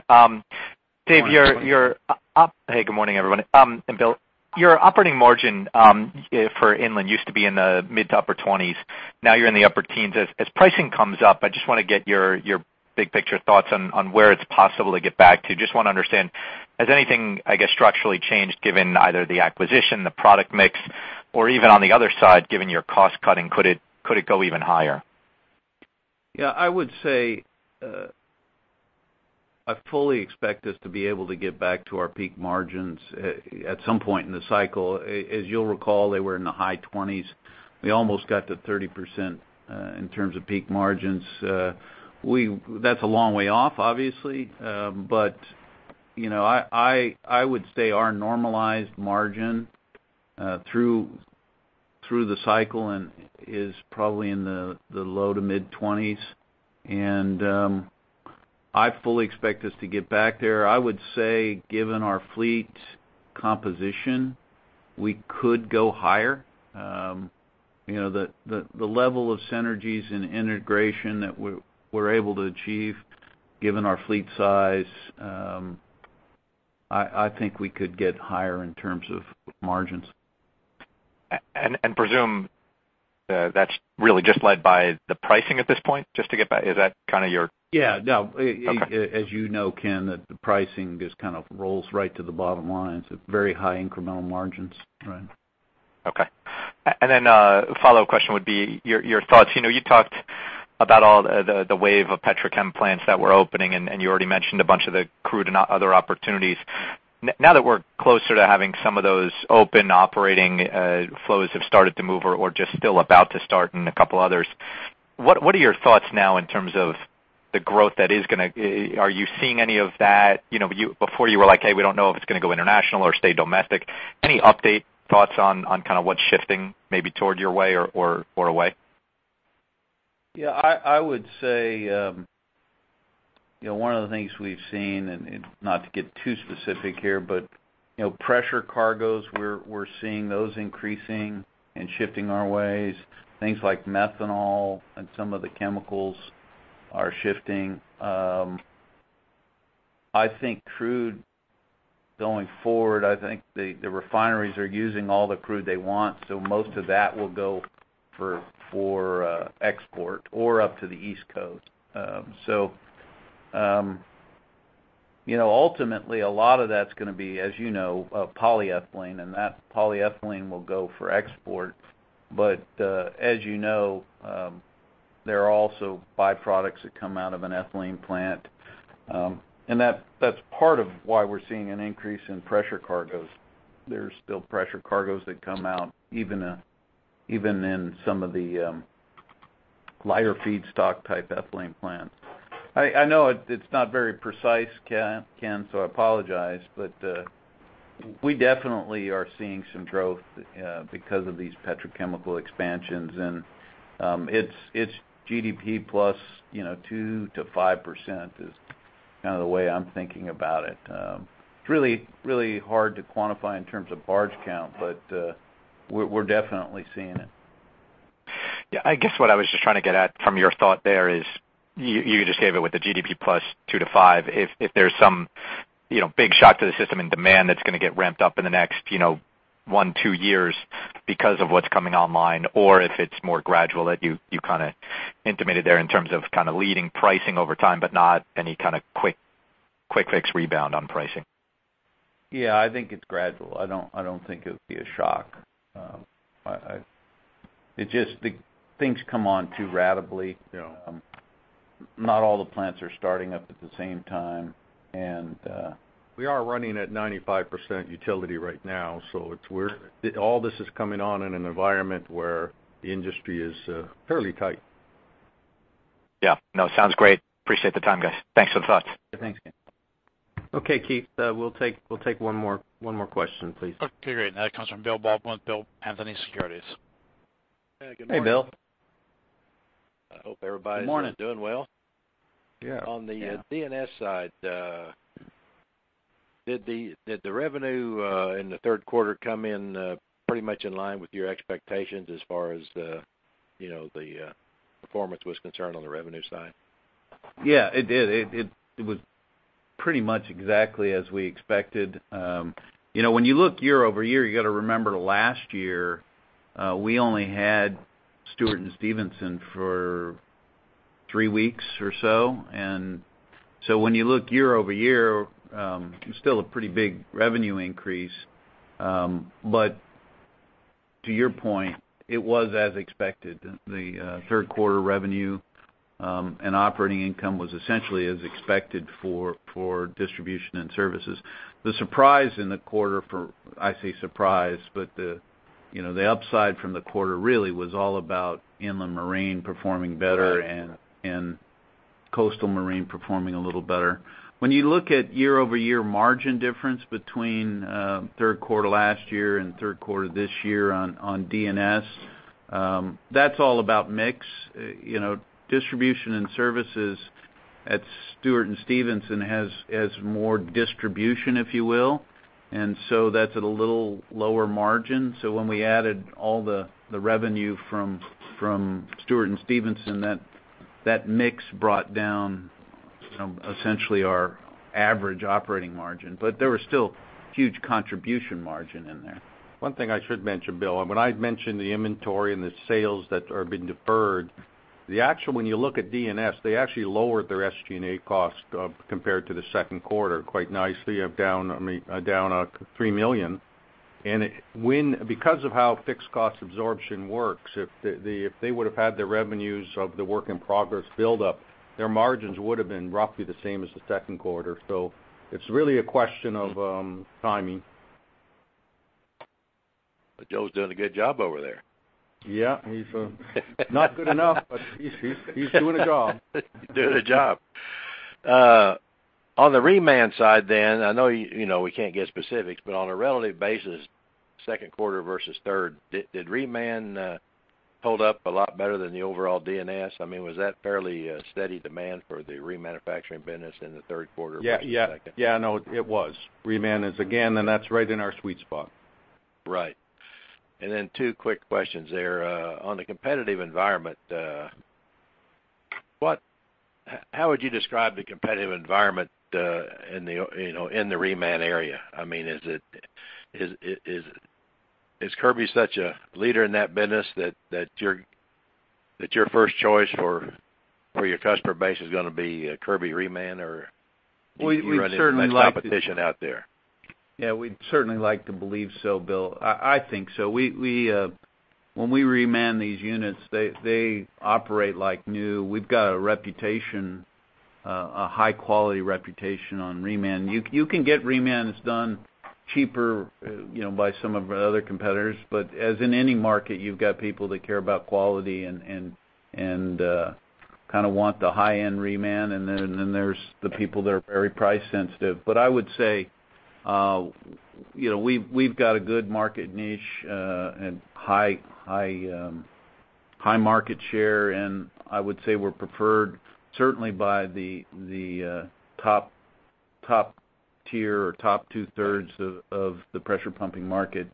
Dave, your up-
Good morning.
Hey, good morning, everyone, and Bill. Your operating margin for inland used to be in the mid- to upper twenties, now you're in the upper teens. As pricing comes up, I just wanna get your big picture thoughts on where it's possible to get back to. Just wanna understand, has anything, I guess, structurally changed, given either the acquisition, the product mix, or even on the other side, given your cost cutting, could it go even higher?
Yeah, I would say, I fully expect us to be able to get back to our peak margins at some point in the cycle. As you'll recall, they were in the high 20s. We almost got to 30%, in terms of peak margins. We, that's a long way off, obviously. But, you know, I would say our normalized margin through the cycle is probably in the low-to-mid 20s. I fully expect us to get back there. I would say, given our fleet composition, we could go higher. You know, the level of synergies and integration that we're able to achieve, given our fleet size, I think we could get higher in terms of margins.
And presume that's really just led by the pricing at this point, just to get back. Is that kind of your?
Yeah, no.
Okay.
As you know, Ken, the pricing just kind of rolls right to the bottom line, so very high incremental margins, right?
Okay. And then, a follow question would be your thoughts. You know, you talked about all the wave of petrochem plants that were opening, and you already mentioned a bunch of the crude and other opportunities. Now that we're closer to having some of those open, operating, flows have started to move or just still about to start and a couple others, what are your thoughts now in terms of the growth that is gonna? Are you seeing any of that? You know, before you were like, "Hey, we don't know if it's going to go international or stay domestic." Any update, thoughts on kind of what's shifting maybe toward your way or away?
Yeah, I would say, you know, one of the things we've seen, and not to get too specific here, but, you know, pressure cargoes, we're seeing those increasing and shifting our ways. Things like methanol and some of the chemicals are shifting. I think crude, going forward, I think the refineries are using all the crude they want, so most of that will go for export or up to the East Coast. So, you know, ultimately, a lot of that's gonna be, as you know, polyethylene, and that polyethylene will go for export. But, as you know, there are also byproducts that come out of an ethylene plant. And that, that's part of why we're seeing an increase in pressure cargoes. There's still pressure cargoes that come out, even, even in some of the, lighter feedstock-type ethylene plants. I know it, it's not very precise, Ken, so I apologize, but, we definitely are seeing some growth, because of these petrochemical expansions, and, it's GDP plus, you know, 2%-5% is kind of the way I'm thinking about it. It's really, really hard to quantify in terms of barge count, but, we're definitely seeing it.
Yeah, I guess what I was just trying to get at from your thought there is, you just gave it with the GDP plus two to five. If there's some, you know, big shock to the system in demand, that's going to get ramped up in the next, you know, one, two years because of what's coming online, or if it's more gradual, that you kind of intimated there in terms of kind of leading pricing over time, but not any kind of quick fix rebound on pricing.
Yeah, I think it's gradual. I don't, I don't think it'll be a shock. It's just the things come on too rapidly, you know? Not all the plants are starting up at the same time, and
We are running at 95% utilization right now, so it's weird. All this is coming on in an environment where the industry is fairly tight.
Yeah. No, sounds great. Appreciate the time, guys. Thanks for the thoughts.
Thanks, Ken.
Okay, Keith, we'll take one more question, please.
Okay, great. Now it comes from Bill Baldwin with Baldwin Anthony Securities.
Hey, good morning.
Hey, Bill.
Good morning.
I hope everybody is doing well.
Yeah.
On the DNS side, did the revenue in the third quarter come in pretty much in line with your expectations as far as, you know, the performance was concerned on the revenue side?
Yeah, it did. It was pretty much exactly as we expected. You know, when you look year-over-year, you got to remember last year, we only had Stewart & Stevenson for three weeks or so. And so when you look year-over-year, it's still a pretty big revenue increase. But to your point, it was as expected. The third quarter revenue and operating income was essentially as expected for distribution and services. The surprise in the quarter, I say surprise, but you know, the upside from the quarter really was all about inland marine performing better and coastal marine performing a little better. When you look at year-over-year margin difference between third quarter last year and third quarter this year on DNS, that's all about mix. You know, distribution and services at Stewart & Stevenson has more distribution, if you will, and so that's at a little lower margin. So when we added all the revenue from Stewart & Stevenson, that mix brought down essentially our average operating margin. But there was still huge contribution margin in there.
One thing I should mention, Bill, when I mentioned the inventory and the sales that are being deferred, the actual, when you look at DNS, they actually lowered their SG&A cost compared to the second quarter, quite nicely, down, I mean, down $3 million. And because of how fixed cost absorption works, if they would have had the revenues of the work in progress build up, their margins would have been roughly the same as the second quarter. So it's really a question of timing.
Joe's doing a good job over there.
Yeah, he's not good enough, but he's doing a job.
Doing a job....
On the reman side then, I know, you know, we can't get specifics, but on a relative basis, second quarter versus third, did, did reman hold up a lot better than the overall DNS? I mean, was that fairly steady demand for the remanufacturing business in the third quarter versus second?
Yeah, yeah. Yeah, no, it was. Reman is, again, and that's right in our sweet spot.
Right. And then 2 quick questions there. On the competitive environment, what—how would you describe the competitive environment, in the, you know, in the reman area? I mean, is it, is, is, is Kirby such a leader in that business that, that you're, that your first choice for, for your customer base is gonna be, Kirby reman, or-
We certainly like-
Do you run into much competition out there?
Yeah, we'd certainly like to believe so, Bill. I think so. When we reman these units, they operate like new. We've got a reputation, a high-quality reputation on reman. You can get remans done cheaper, you know, by some of our other competitors. But as in any market, you've got people that care about quality and kind of want the high-end reman, and then there's the people that are very price sensitive. But I would say, you know, we've got a good market niche, and high market share, and I would say we're preferred certainly by the top tier or top two-thirds of the pressure pumping market.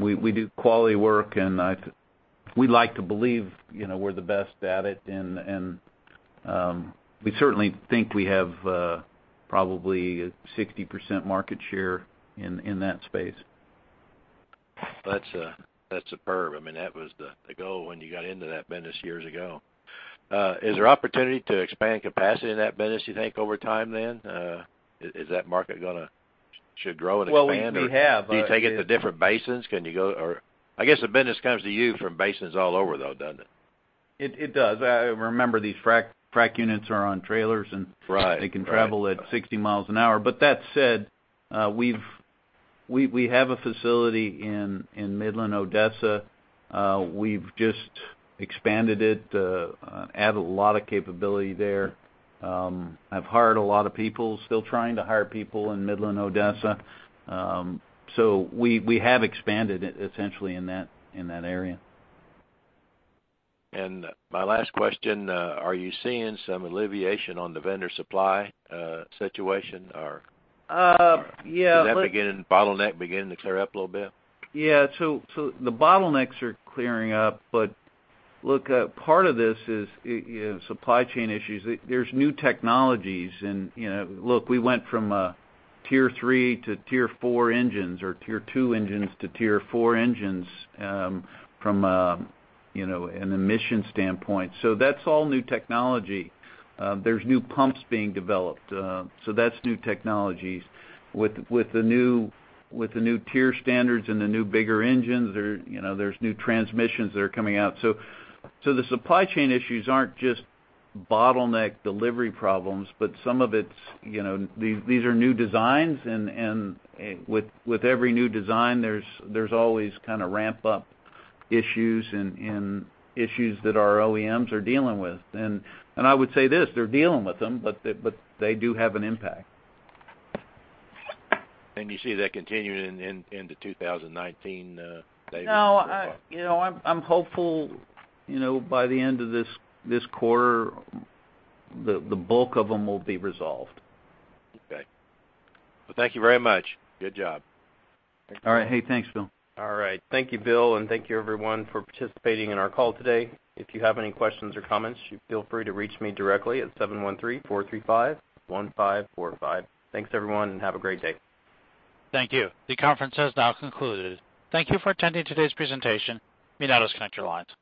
We do quality work, and we like to believe, you know, we're the best at it, and we certainly think we have probably 60% market share in that space.
That's, that's superb. I mean, that was the, the goal when you got into that business years ago. Is there opportunity to expand capacity in that business, you think, over time then? Is, is that market gonna, should grow and expand, or-
Well, we have
Do you take it to different basins? Can you go... Or I guess the business comes to you from basins all over, though, doesn't it?
It does. Remember, these frack units are on trailers, and-
Right, right.
They can travel at 60 miles an hour. But that said, we have a facility in Midland, Odessa. We've just expanded it, added a lot of capability there. I've hired a lot of people, still trying to hire people in Midland, Odessa. So we have expanded it essentially in that area.
My last question: Are you seeing some alleviation on the vendor supply situation, or-
Yeah, but-
Is that bottleneck beginning to clear up a little bit?
Yeah. So the bottlenecks are clearing up. But look, part of this is, you know, supply chain issues. There's new technologies and, you know, look, we went from Tier 3 to Tier 4 engines, or Tier 2 engines to Tier 4 engines, from a, you know, an emission standpoint. So that's all new technology. There's new pumps being developed, so that's new technologies. With the new Tier standards and the new bigger engines, there, you know, there's new transmissions that are coming out. So the supply chain issues aren't just bottleneck delivery problems, but some of it's, you know, these are new designs and, with every new design, there's always kind of ramp-up issues and issues that our OEMs are dealing with. I would say this: They're dealing with them, but they do have an impact.
You see that continuing into 2019, David?
No, you know, I'm hopeful, you know, by the end of this quarter, the bulk of them will be resolved.
Okay. Well, thank you very much. Good job.
All right. Hey, thanks, Bill.
All right. Thank you, Bill, and thank you, everyone, for participating in our call today. If you have any questions or comments, feel free to reach me directly at 713-435-1545. Thanks, everyone, and have a great day.
Thank you. The conference has now concluded. Thank you for attending today's presentation. You may now disconnect your line.